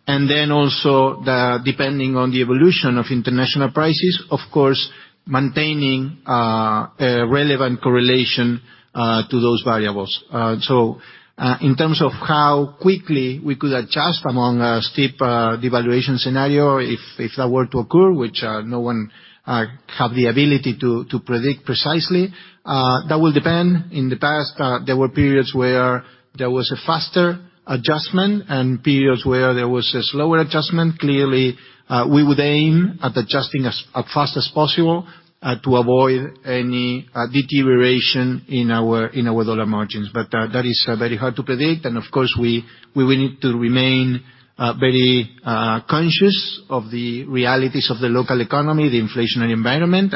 Then also, depending on the evolution of international prices, of course, maintaining a relevant correlation to those variables. In terms of how quickly we could adjust among a steep devaluation scenario, if that were to occur, which no one have the ability to predict precisely, that will depend. In the past, there were periods where there was a faster adjustment and periods where there was a slower adjustment. Clearly, we would aim at adjusting as fast as possible to avoid any deterioration in our dollar margins. That is very hard to predict. Of course, we will need to remain very conscious of the realities of the local economy, the inflationary environment.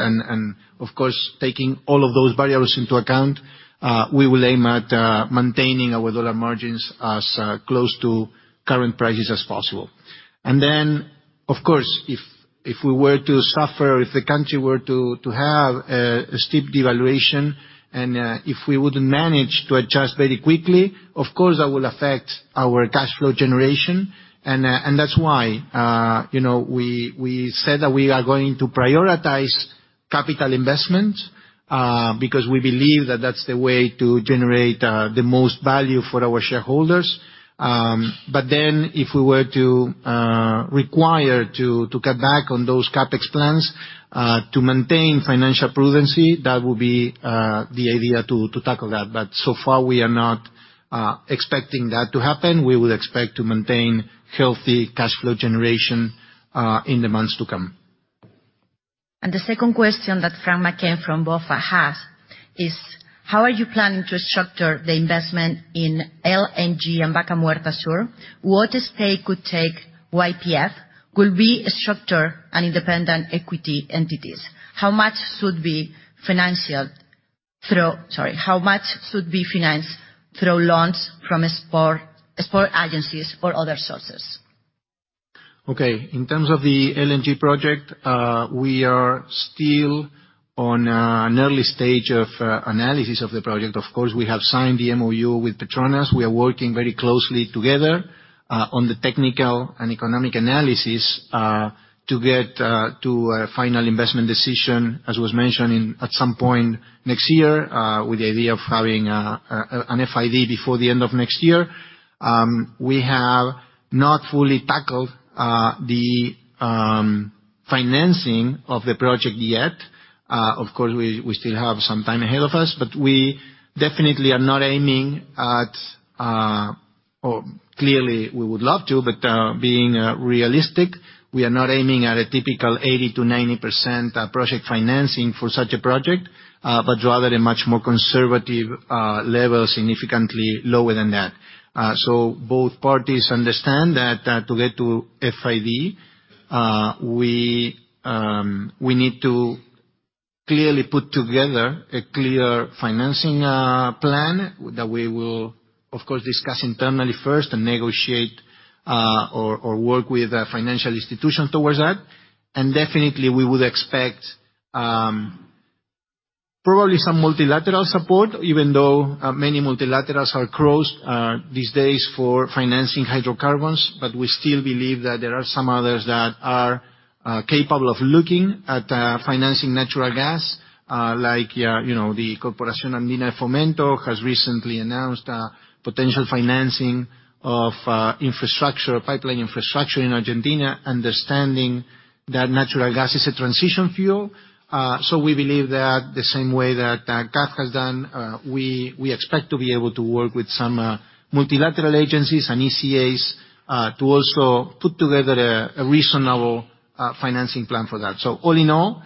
Of course, taking all of those variables into account, we will aim at maintaining our dollar margins as close to current prices as possible. Of course, if we were to suffer, if the country were to have a steep devaluation and if we wouldn't manage to adjust very quickly, of course, that will affect our cash flow generation. That's why, you know, we said that we are going to prioritize capital investment because we believe that that's the way to generate the most value for our shareholders. If we were to require to cut back on those CapEx plans to maintain financial prudency, that would be the idea to tackle that. So far, we are not expecting that to happen. We will expect to maintain healthy cash flow generation in the months to come. The second question that Frank McGann from BofA has is: How are you planning to structure the investment in LNG and Vaca Muerta Sur? What stake would take YPF? Will be structure and independent equity entities. Sorry. How much should be financed through loans from export agencies or other sources? Okay. In terms of the LNG project, we are still on an early stage of analysis of the project. Of course, we have signed the MoU with PETRONAS. We are working very closely together on the technical and economic analysis to get to a final investment decision, as was mentioned in at some point next year, with the idea of having an FID before the end of next year. We have not fully tackled the financing of the project yet. Of course, we still have some time ahead of us. We definitely are not aiming at... Clearly, we would love to, but being realistic, we are not aiming at a typical 80%-90% project financing for such a project, but rather a much more conservative level significantly lower than that. Both parties understand that to get to FID, we need to clearly put together a clear financing plan that we will, of course, discuss internally first and negotiate or work with a financial institution towards that. Definitely we would expect probably some multilateral support, even though many multilaterals are closed these days for financing hydrocarbons. We still believe that there are some others that are capable of looking at financing natural gas, like, you know, the Corporación Andina de Fomento has recently announced a potential financing of infrastructure, pipeline infrastructure in Argentina, understanding that natural gas is a transition fuel. We believe that the same way that CAF has done, we expect to be able to work with some multilateral agencies and ECAs to also put together a reasonable financing plan for that. All in all,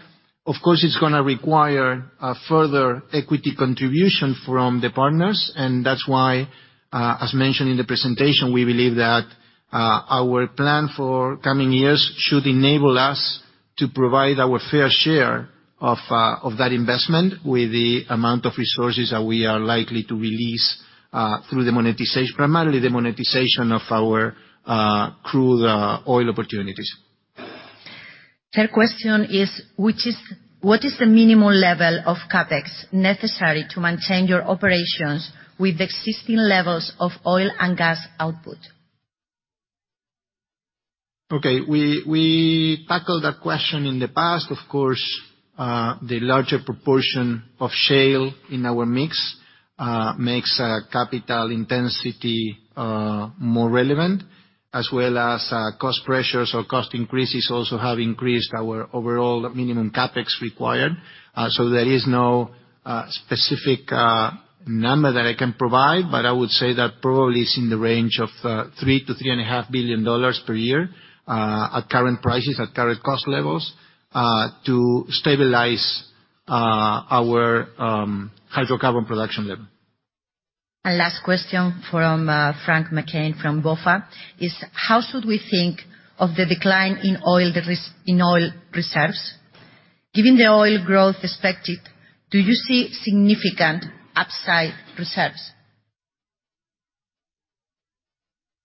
of course, it's gonna require a further equity contribution from the partners. That's why, as mentioned in the presentation, we believe that our plan for coming years should enable us to provide our fair share of that investment with the amount of resources that we are likely to release through primarily the monetization of our crude oil opportunities. Third question is, what is the minimum level of CapEx necessary to maintain your operations with existing levels of oil and gas output? Okay. We tackled that question in the past. Of course, the larger proportion of shale in our mix makes capital intensity more relevant, as well as cost pressures or cost increases also have increased our overall minimum CapEx required. There is no specific number that I can provide, but I would say that probably it's in the range of $3 billion-$3.5 billion per year, at current prices, at current cost levels, to stabilize our hydrocarbon production level. Last question from Frank McGann from BofA is, how should we think of the decline in oil reserves? Given the oil growth expected, do you see significant upside reserves?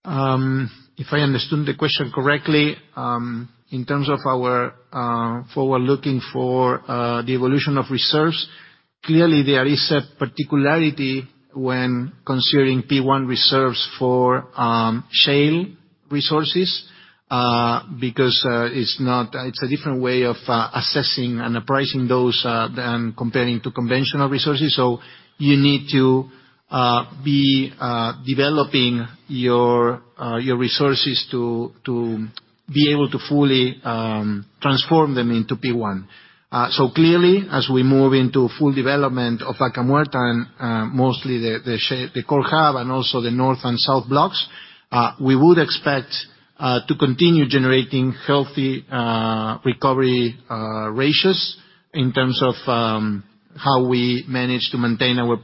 If I understood the question correctly, in terms of our forward-looking for the evolution of reserves, clearly there is a particularity when considering P1 reserves for shale resources, because it's a different way of assessing and appraising those than comparing to conventional resources. You need to be developing your resources to be able to fully transform them into P1. Clearly, as we move into full development of Vaca Muerta and mostly the core hub and also the North and South blocks, we would expect to continue generating healthy recovery ratios in terms of how we manage to maintain our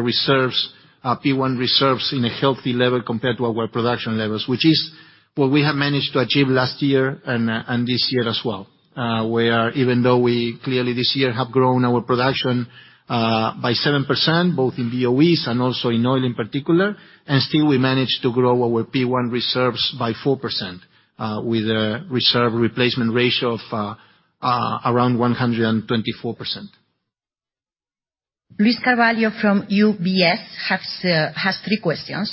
reserves, P1 reserves in a healthy level compared to our production levels, which is what we have managed to achieve last year and this year as well. Even though we clearly this year have grown our production by 7%, both in BOEs and also in oil in particular, and still we managed to grow our P1 reserves by 4%, with a reserve replacement ratio of around 124%. Luiz Carvalho from UBS has three questions.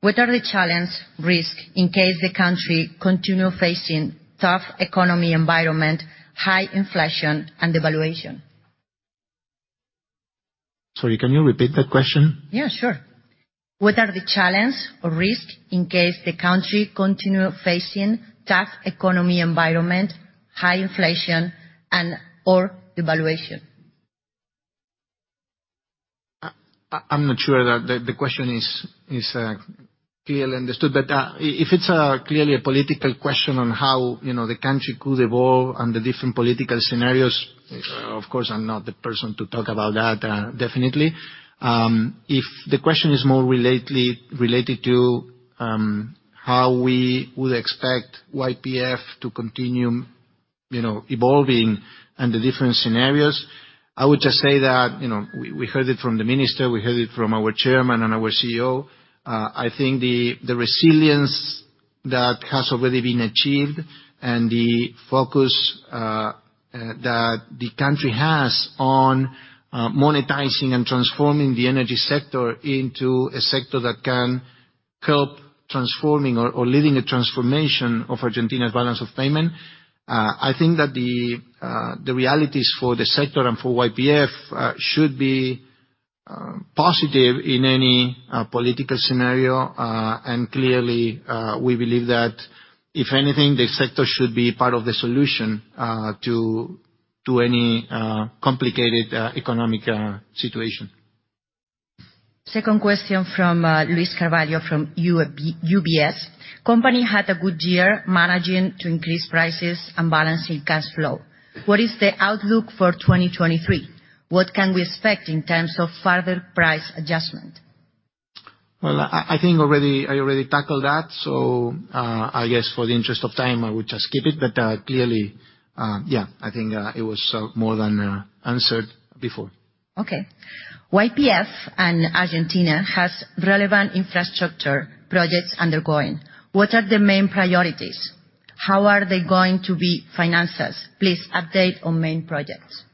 What are the challenge, risk in case the country continue facing tough economy environment, high inflation and devaluation? Sorry, can you repeat the question? Yeah, sure. What are the challenge or risk in case the country continue facing tough economy environment, high inflation and/or devaluation? I'm not sure that the question is clearly understood. If it's clearly a political question on how, you know, the country could evolve and the different political scenarios, of course, I'm not the person to talk about that definitely. If the question is more related to, you know, how we would expect YPF to continue, you know, evolving and the different scenarios, I would just say that, you know, we heard it from the Minister, we heard it from our Chairman and our CEO. I think the resilience that has already been achieved and the focus that the country has on monetizing and transforming the energy sector into a sector that can help transforming or leading a transformation of Argentina's balance of payment. I think that the realities for the sector and for YPF should be positive in any political scenario. Clearly, we believe that if anything, the sector should be part of the solution to any complicated economic situation. Second question from Luiz Carvalho from UBS. Company had a good year managing to increase prices and balancing cash flow. What is the outlook for 2023? What can we expect in terms of further price adjustment? I already tackled that, so, I guess for the interest of time, I would just keep it. Clearly, yeah, I think, it was more than answered before. Okay. YPF and Argentina has relevant infrastructure projects undergoing. What are the main priorities? How are they going to be finances? Please update on main projects.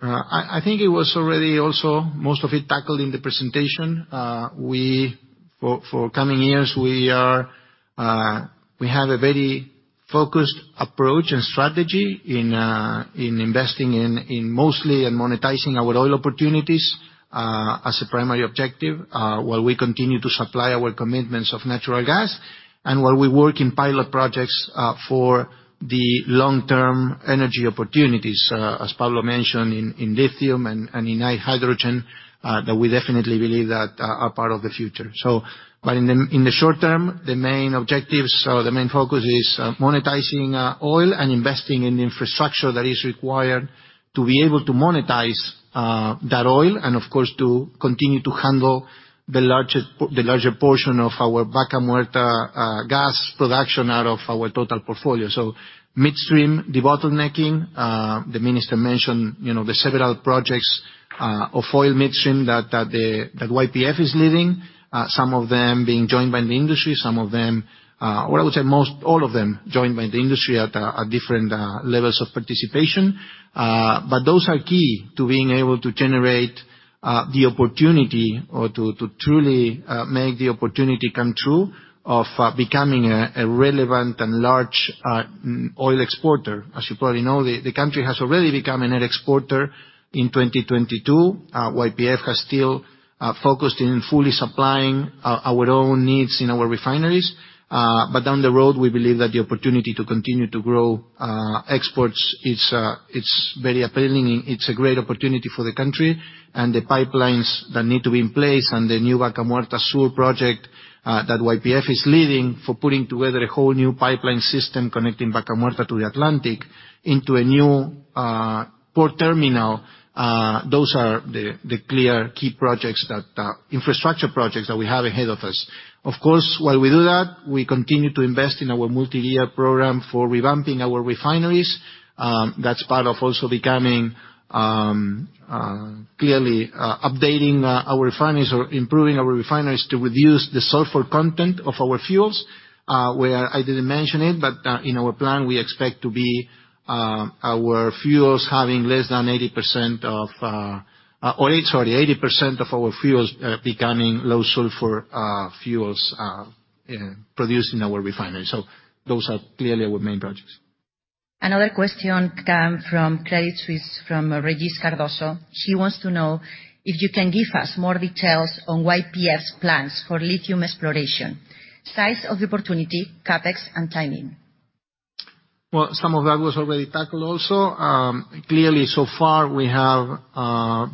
I think it was already also... Most of it tackled in the presentation. We, for coming years, we have a very focused approach and strategy in investing in mostly and monetizing our oil opportunities, as a primary objective, while we continue to supply our commitments of natural gas, and while we work in pilot projects for the long-term energy opportunities, as Pablo mentioned in lithium and in hydrogen, that we definitely believe that are part of the future. In the short term, the main objectives or the main focus is monetizing oil and investing in the infrastructure that is required to be able to monetize that oil and of course, to continue to handle the largest portion of our Vaca Muerta gas production out of our total portfolio. Midstream, the bottlenecking, the Minister mentioned, you know, the several projects of oil midstream that YPF is leading, some of them being joined by the industry, some of them, or, I would say, most all of them joined by the industry at different levels of participation. Those are key to being able to generate the opportunity or to truly make the opportunity come true of becoming a relevant and large oil exporter. As you probably know, the country has already become a net exporter in 2022. YPF has still focused in fully supplying our own needs in our refineries. Down the road, we believe that the opportunity to continue to grow exports it's very appealing. It's a great opportunity for the country and the pipelines that need to be in place and the new Vaca Muerta South project that YPF is leading for putting together a whole new pipeline system connecting Vaca Muerta to the Atlantic into a new port terminal. Those are the clear key projects that infrastructure projects that we have ahead of us. Of course, while we do that, we continue to invest in our multi-year program for revamping our refineries. That's part of also becoming clearly updating our refineries or improving our refineries to reduce the sulfur content of our fuels, where I didn't mention it, but in our plan, we expect to be our fuels having 80% of our fuels becoming low sulfur fuels produced in our refinery. Those are clearly our main projects. Another question come from Credit Suisse from Regis Cardoso. She wants to know if you can give us more details on YPF's plans for lithium exploration, size of the opportunity, CapEx and timing. Well, some of that was already tackled also. Clearly, so far we have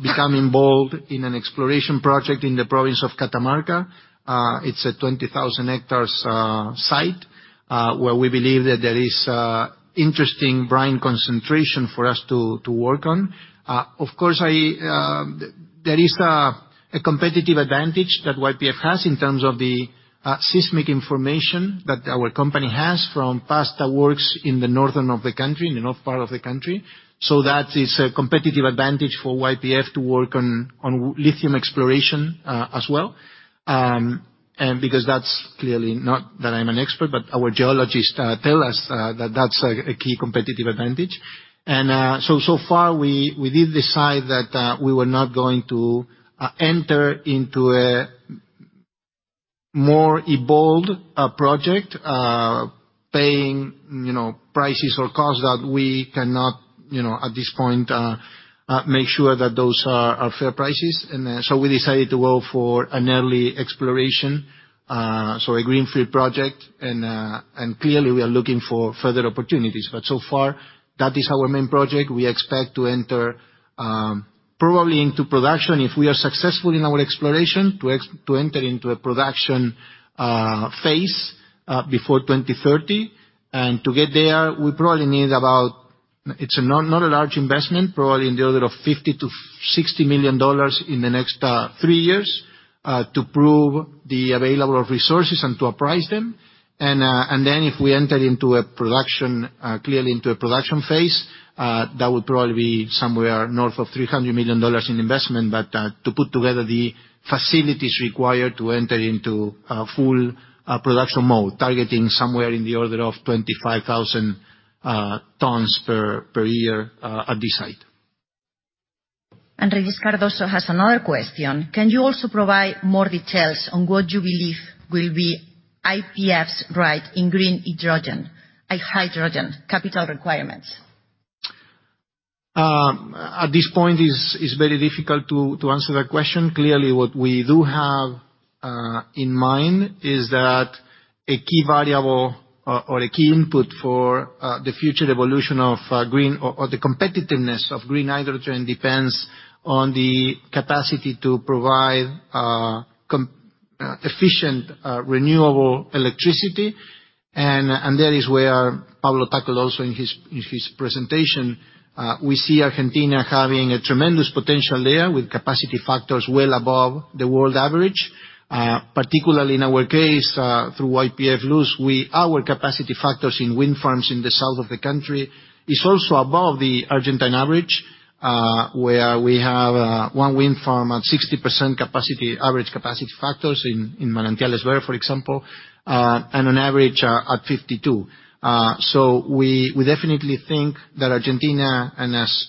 become involved in an exploration project in the province of Catamarca. It's a 20,000 hectares site where we believe that there is interesting brine concentration for us to work on. Of course, I, there is a competitive advantage that YPF has in terms of the seismic information that our company has from past works in the northern of the country, in the north part of the country. That is a competitive advantage for YPF to work on lithium exploration as well. Because that's clearly, not that I'm an expert, but our geologists tell us that that's a key competitive advantage. So far we did decide that we were not going to enter into a more evolved project, paying, you know, prices or costs that we cannot, you know, at this point, make sure that those are fair prices. We decided to go for an early exploration, so a greenfield project. Clearly we are looking for further opportunities. So far, that is our main project. We expect to enter probably into production if we are successful in our exploration, to enter into a production phase before 2030. To get there, we probably need about... It's not a large investment, probably in the order of $50 million-$60 million in the next three years, to prove the available of resources and to appraise them. Then if we enter into a production, clearly into a production phase, that would probably be somewhere north of $300 million in investment. To put together the facilities required to enter into a full production mode, targeting somewhere in the order of 25,000 tons per year at this site. Regis Cardoso has another question. Can you also provide more details on what you believe will be YPF's right in green hydrogen capital requirements? At this point, is very difficult to answer that question. Clearly, what we do have in mind is that a key variable or a key input for the future evolution of green or the competitiveness of green hydrogen depends on the capacity to provide efficient renewable electricity. That is where Pablo tackled also in his presentation. We see Argentina having a tremendous potential there with capacity factors well above the world average. Particularly in our case, through YPF Luz, our capacity factors in wind farms in the south of the country is also above the Argentine average, where we have one wind farm at 60% capacity, average capacity factors in Manantiales Behr, for example, and on average are at 52. We definitely think that Argentina, and as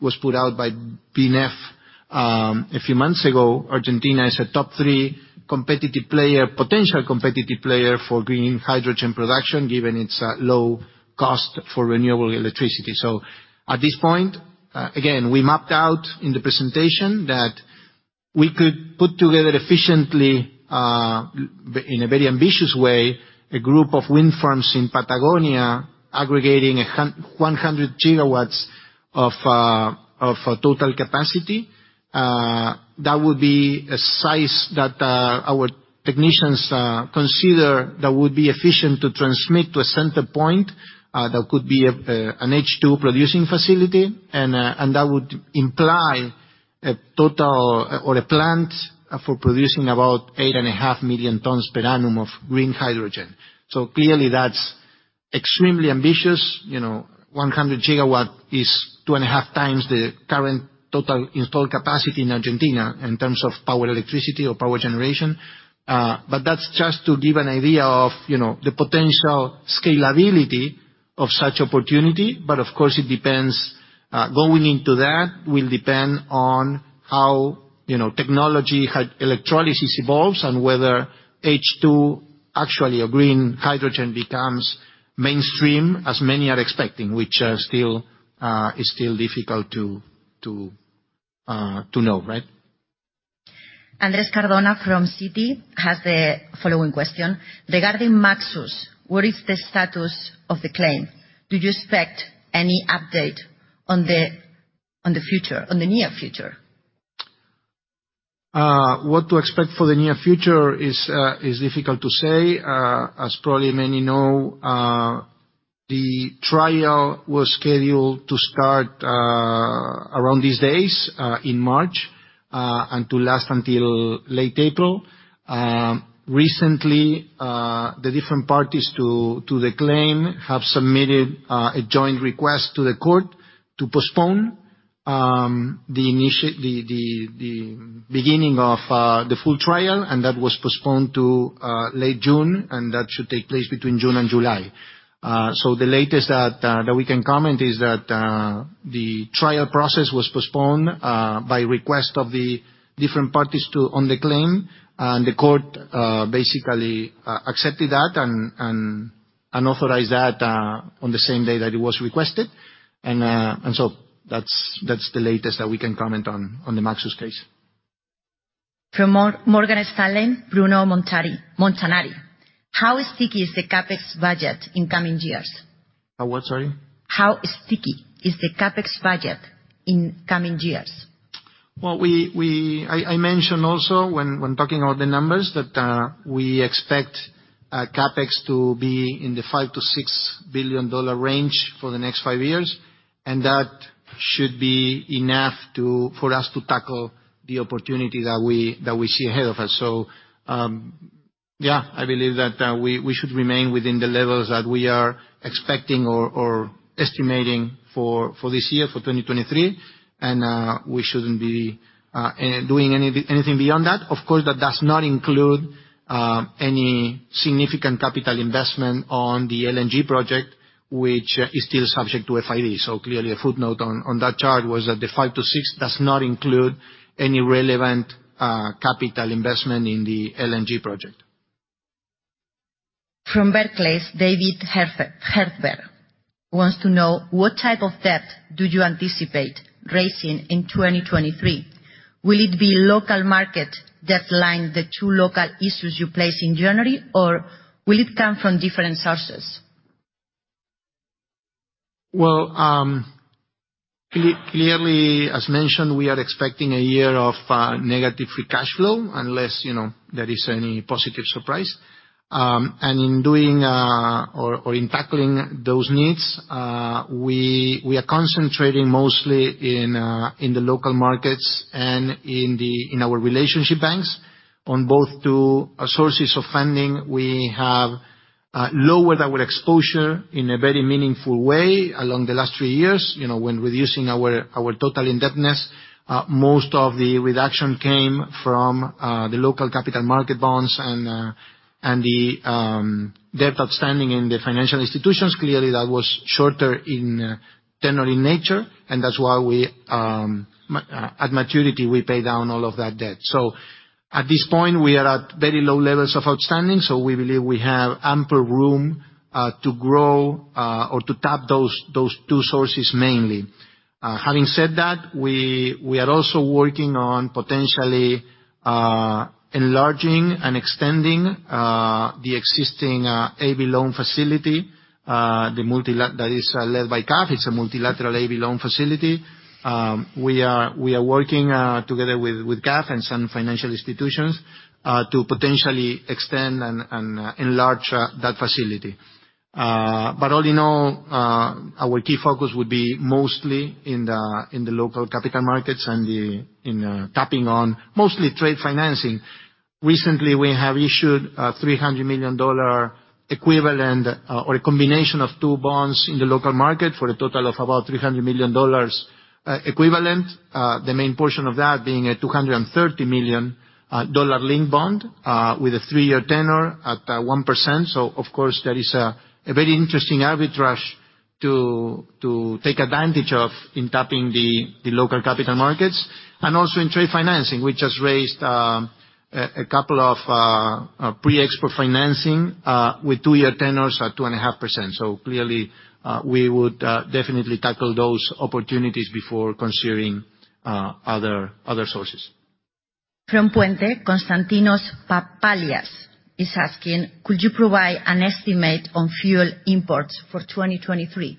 was put out by BCG, a few months ago, Argentina is a top three competitive player, potential competitive player for green hydrogen production given its low cost for renewable electricity. At this point, again, we mapped out in the presentation that we could put together efficiently, in a very ambitious way, a group of wind farms in Patagonia aggregating 100 MW of total capacity. That would be a size that our technicians consider that would be efficient to transmit to a center point that could be an H2 producing facility. That would imply a total or a plant for producing about 8.5 million tons per annum of green hydrogen. Clearly, that's extremely ambitious. You know, 100 MW is 2.5x the current total installed capacity in Argentina in terms of power, electricity or power generation. That's just to give an idea of, you know, the potential scalability of such opportunity. Of course, it depends, going into that will depend on how, you know, technology electrolysis evolves and whether H2, actually a green hydrogen becomes mainstream as many are expecting, which, still, is still difficult to know, right? Andres Cardona from Citi has the following question: Regarding Maxus, what is the status of the claim? Do you expect any update on the near future? What to expect for the near future is difficult to say. As probably many know, the trial was scheduled to start around these days in March and to last until late April. Recently, the different parties to the claim have submitted a joint request to the court to postpone the beginning of the full trial, and that was postponed to late June, and that should take place between June and July. The latest that we can comment is that the trial process was postponed by request of the different parties on the claim. The court basically accepted that and authorized that on the same day that it was requested. That's the latest that we can comment on the Maxus case. From Morgan Stanley, Bruno Montanari. How sticky is the CapEx budget in coming years? How what, sorry? How sticky is the CapEx budget in coming years? I mentioned also, when talking about the numbers, that we expect CapEx to be in the $5 billion-$6 billion range for the next five years, and that should be enough for us to tackle the opportunity that we see ahead of us. Yeah, I believe that we should remain within the levels that we are expecting or estimating for this year, for 2023. We shouldn't be doing anything beyond that. Of course, that does not include any significant capital investment on the LNG project, which is still subject to FID. Clearly, a footnote on that chart was that the five to six does not include any relevant capital investment in the LNG project. From Barclays, David Herzberg wants to know what type of debt do you anticipate raising in 2023? Will it be local market debt line, the two local issues you placed in January, or will it come from different sources? Well, clearly, as mentioned, we are expecting a year of negative free cash flow, unless, you know, there is any positive surprise. In doing or in tackling those needs, we are concentrating mostly in the local markets and in our relationship banks. On both to our sources of funding, we have lowered our exposure in a very meaningful way along the last three years. You know, when reducing our total indebtedness, most of the reduction came from the local capital market bonds and the debt outstanding in the financial institutions. Clearly, that was shorter in generally nature, and that's why we at maturity, we pay down all of that debt. At this point, we are at very low levels of outstanding, so we believe we have ample room to grow or to tap those two sources mainly. Having said that, we are also working on potentially enlarging and extending the existing A/B loan facility, that is led by CAF. It's a multilateral A/B loan facility. We are working together with CAF and some financial institutions to potentially extend and enlarge that facility. All in all, our key focus would be mostly in the local capital markets and in tapping on mostly trade financing. Recently, we have issued a $300 million equivalent, or a combination of two bonds in the local market for a total of about $300 million equivalent. The main portion of that being a $230 million dollar-linked bond with a three-year tenure at 1%. Of course, there is a very interesting arbitrage to take advantage of in tapping the local capital markets. Also in trade financing. We just raised a couple of pre-export financing with two-year tenors at 2.5%. Clearly, we would definitely tackle those opportunities before considering other sources. From Puente, Konstantinos Papalias is asking, could you provide an estimate on fuel imports for 2023?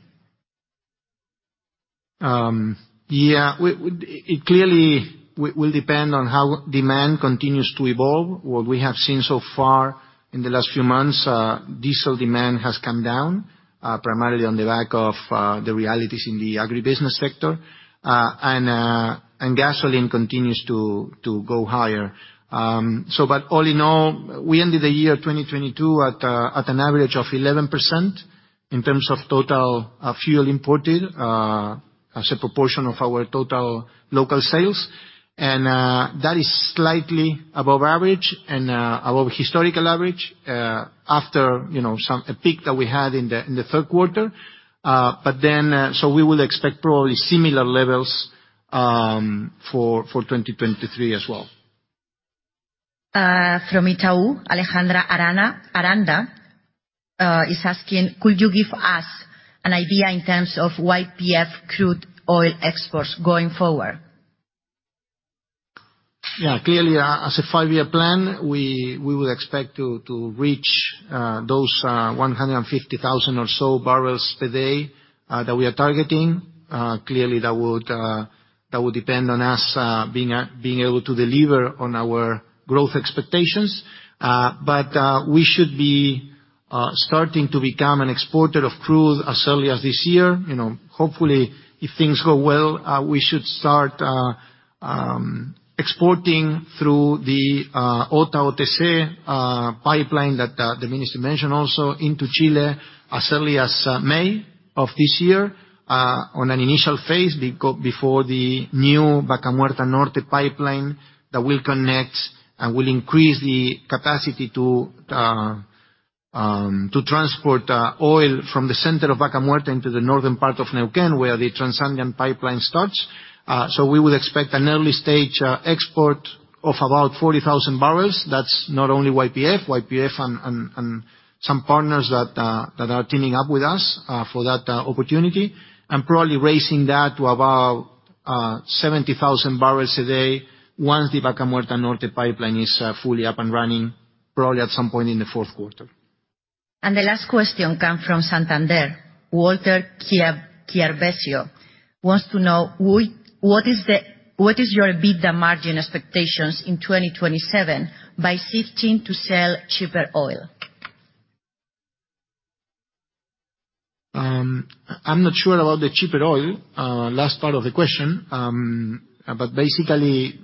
It clearly will depend on how demand continues to evolve. What we have seen so far in the last few months, diesel demand has come down, primarily on the back of the realities in the agribusiness sector. Gasoline continues to go higher. All in all, we ended the year 2022 at an average of 11% in terms of total fuel imported as a proportion of our total local sales. That is slightly above average and above historical average, after, you know, a peak that we had in the third quarter. We will expect probably similar levels for 2023 as well. From Itaú, Alejandra Aranda is asking, could you give us an idea in terms of YPF crude oil exports going forward? Clearly, as a five-year plan, we would expect to reach those 150,000 or so barrels per day that we are targeting. Clearly, that would depend on us being able to deliver on our growth expectations. We should be starting to become an exporter of crude as early as this year. You know, hopefully, if things go well, we should start exporting through the OTASA pipeline, that the Minister mentioned also, into Chile as early as May of this year, on an initial phase before the new Vaca Muerta Norte pipeline that will connect and will increase the capacity to transport oil from the center of Vaca Muerta into the northern part of Neuquén, where the Transandine pipeline starts. We would expect an early stage export of about 40,000 barrels. That's not only YPF and some partners that are teaming up with us for that opportunity. Probably raising that to about 70,000 barrels a day once the Vaca Muerta Norte pipeline is fully up and running, probably at some point in the fourth quarter. The last question come from Santander. Walter Chiarvesio wants to know, what is your EBITDA margin expectations in 2027 by shifting to sell cheaper oil? I'm not sure about the cheaper oil, last part of the question. Basically,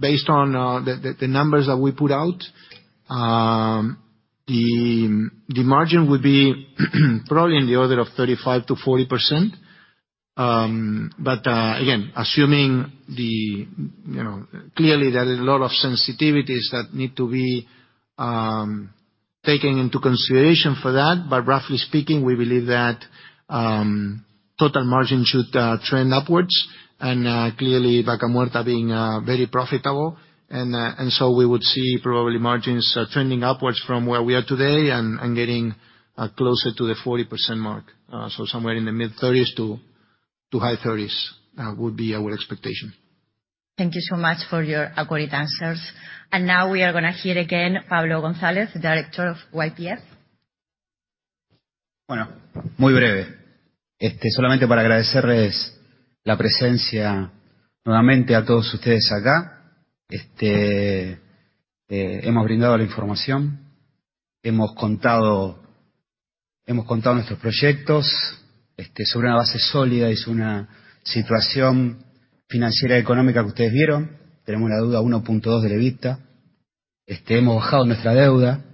based on the numbers that we put out, the margin would be probably in the order of 35%-40%. Again, assuming the, you know, clearly there are a lot of sensitivities that need to be taken into consideration for that. Roughly speaking, we believe that total margin should trend upwards. Clearly Vaca Muerta being very profitable. So we would see probably margins trending upwards from where we are today and getting closer to the 40% mark. Somewhere in the mid-30s to high 30s would be our expectation. Thank you so much for your accurate answers. Now we are gonna hear again Pablo González, the Director of YPF. Muy breve. Solamente para agradecerles la presencia nuevamente a todos ustedes acá. Hemos brindado la información. Hemos contado nuestros proyectos sobre una base sólida y es una situación financiera y económica que ustedes vieron. Tenemos una deuda 1.2 del EBITDA. Hemos bajado nuestra deuda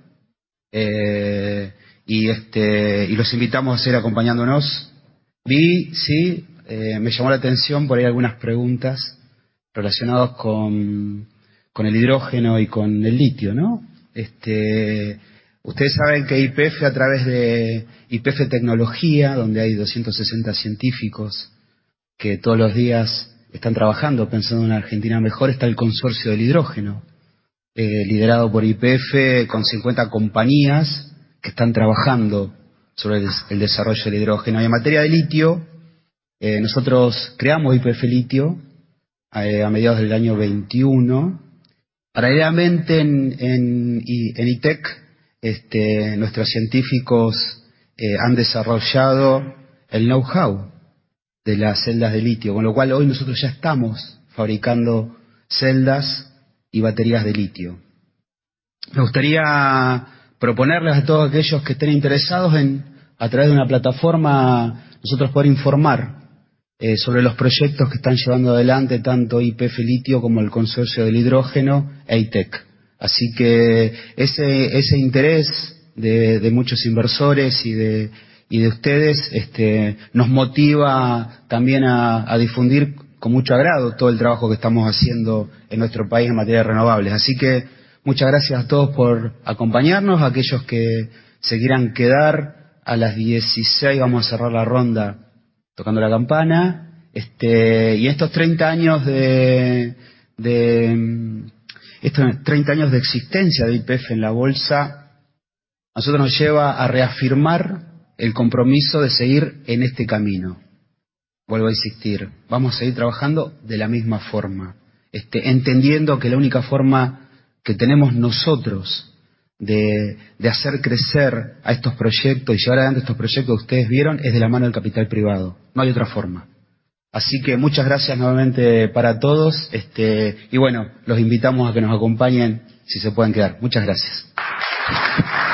y los invitamos a seguir acompañándonos. Vi me llamó la atención por ahí algunas preguntas relacionados con el hidrógeno y con el litio, ¿no? Ustedes saben que YPF a través de YPF Tecnología, donde hay 260 científicos que todos los días están trabajando, pensando en una Argentina mejor, está el Consorcio del Hidrógeno, liderado por YPF con 50 compañías que están trabajando sobre el desarrollo del hidrógeno. En materia de litio, nosotros creamos YPF Litio a mediados del año 2021. Paralelamente, en Y-TEC, nuestros científicos han desarrollado el know-how de las celdas de litio, con lo cual hoy nosotros ya estamos fabricando celdas y baterías de litio. Me gustaría proponerles a todos aquellos que estén interesados en, a través de una plataforma, nosotros poder informar sobre los proyectos que están llevando adelante tanto YPF Litio como el Consorcio del Hidrógeno e Y-TEC. Ese interés de muchos inversores y de ustedes nos motiva también a difundir con mucho agrado todo el trabajo que estamos haciendo en nuestro país en materia de renovables. Muchas gracias a todos por acompañarnos. Aquellos que se quieran quedar, a las 16 vamos a cerrar la ronda tocando la campana. Y estos 30 años de existencia de YPF en la bolsa, a nosotros nos lleva a reafirmar el compromiso de seguir en este camino. Vuelvo a insistir, vamos a seguir trabajando de la misma forma, entendiendo que la única forma que tenemos nosotros de hacer crecer a estos proyectos y llevar adelante estos proyectos que ustedes vieron, es de la mano del capital privado. No hay otra forma. Muchas gracias nuevamente para todos. Y bueno, los invitamos a que nos acompañen si se pueden quedar. Muchas gracias.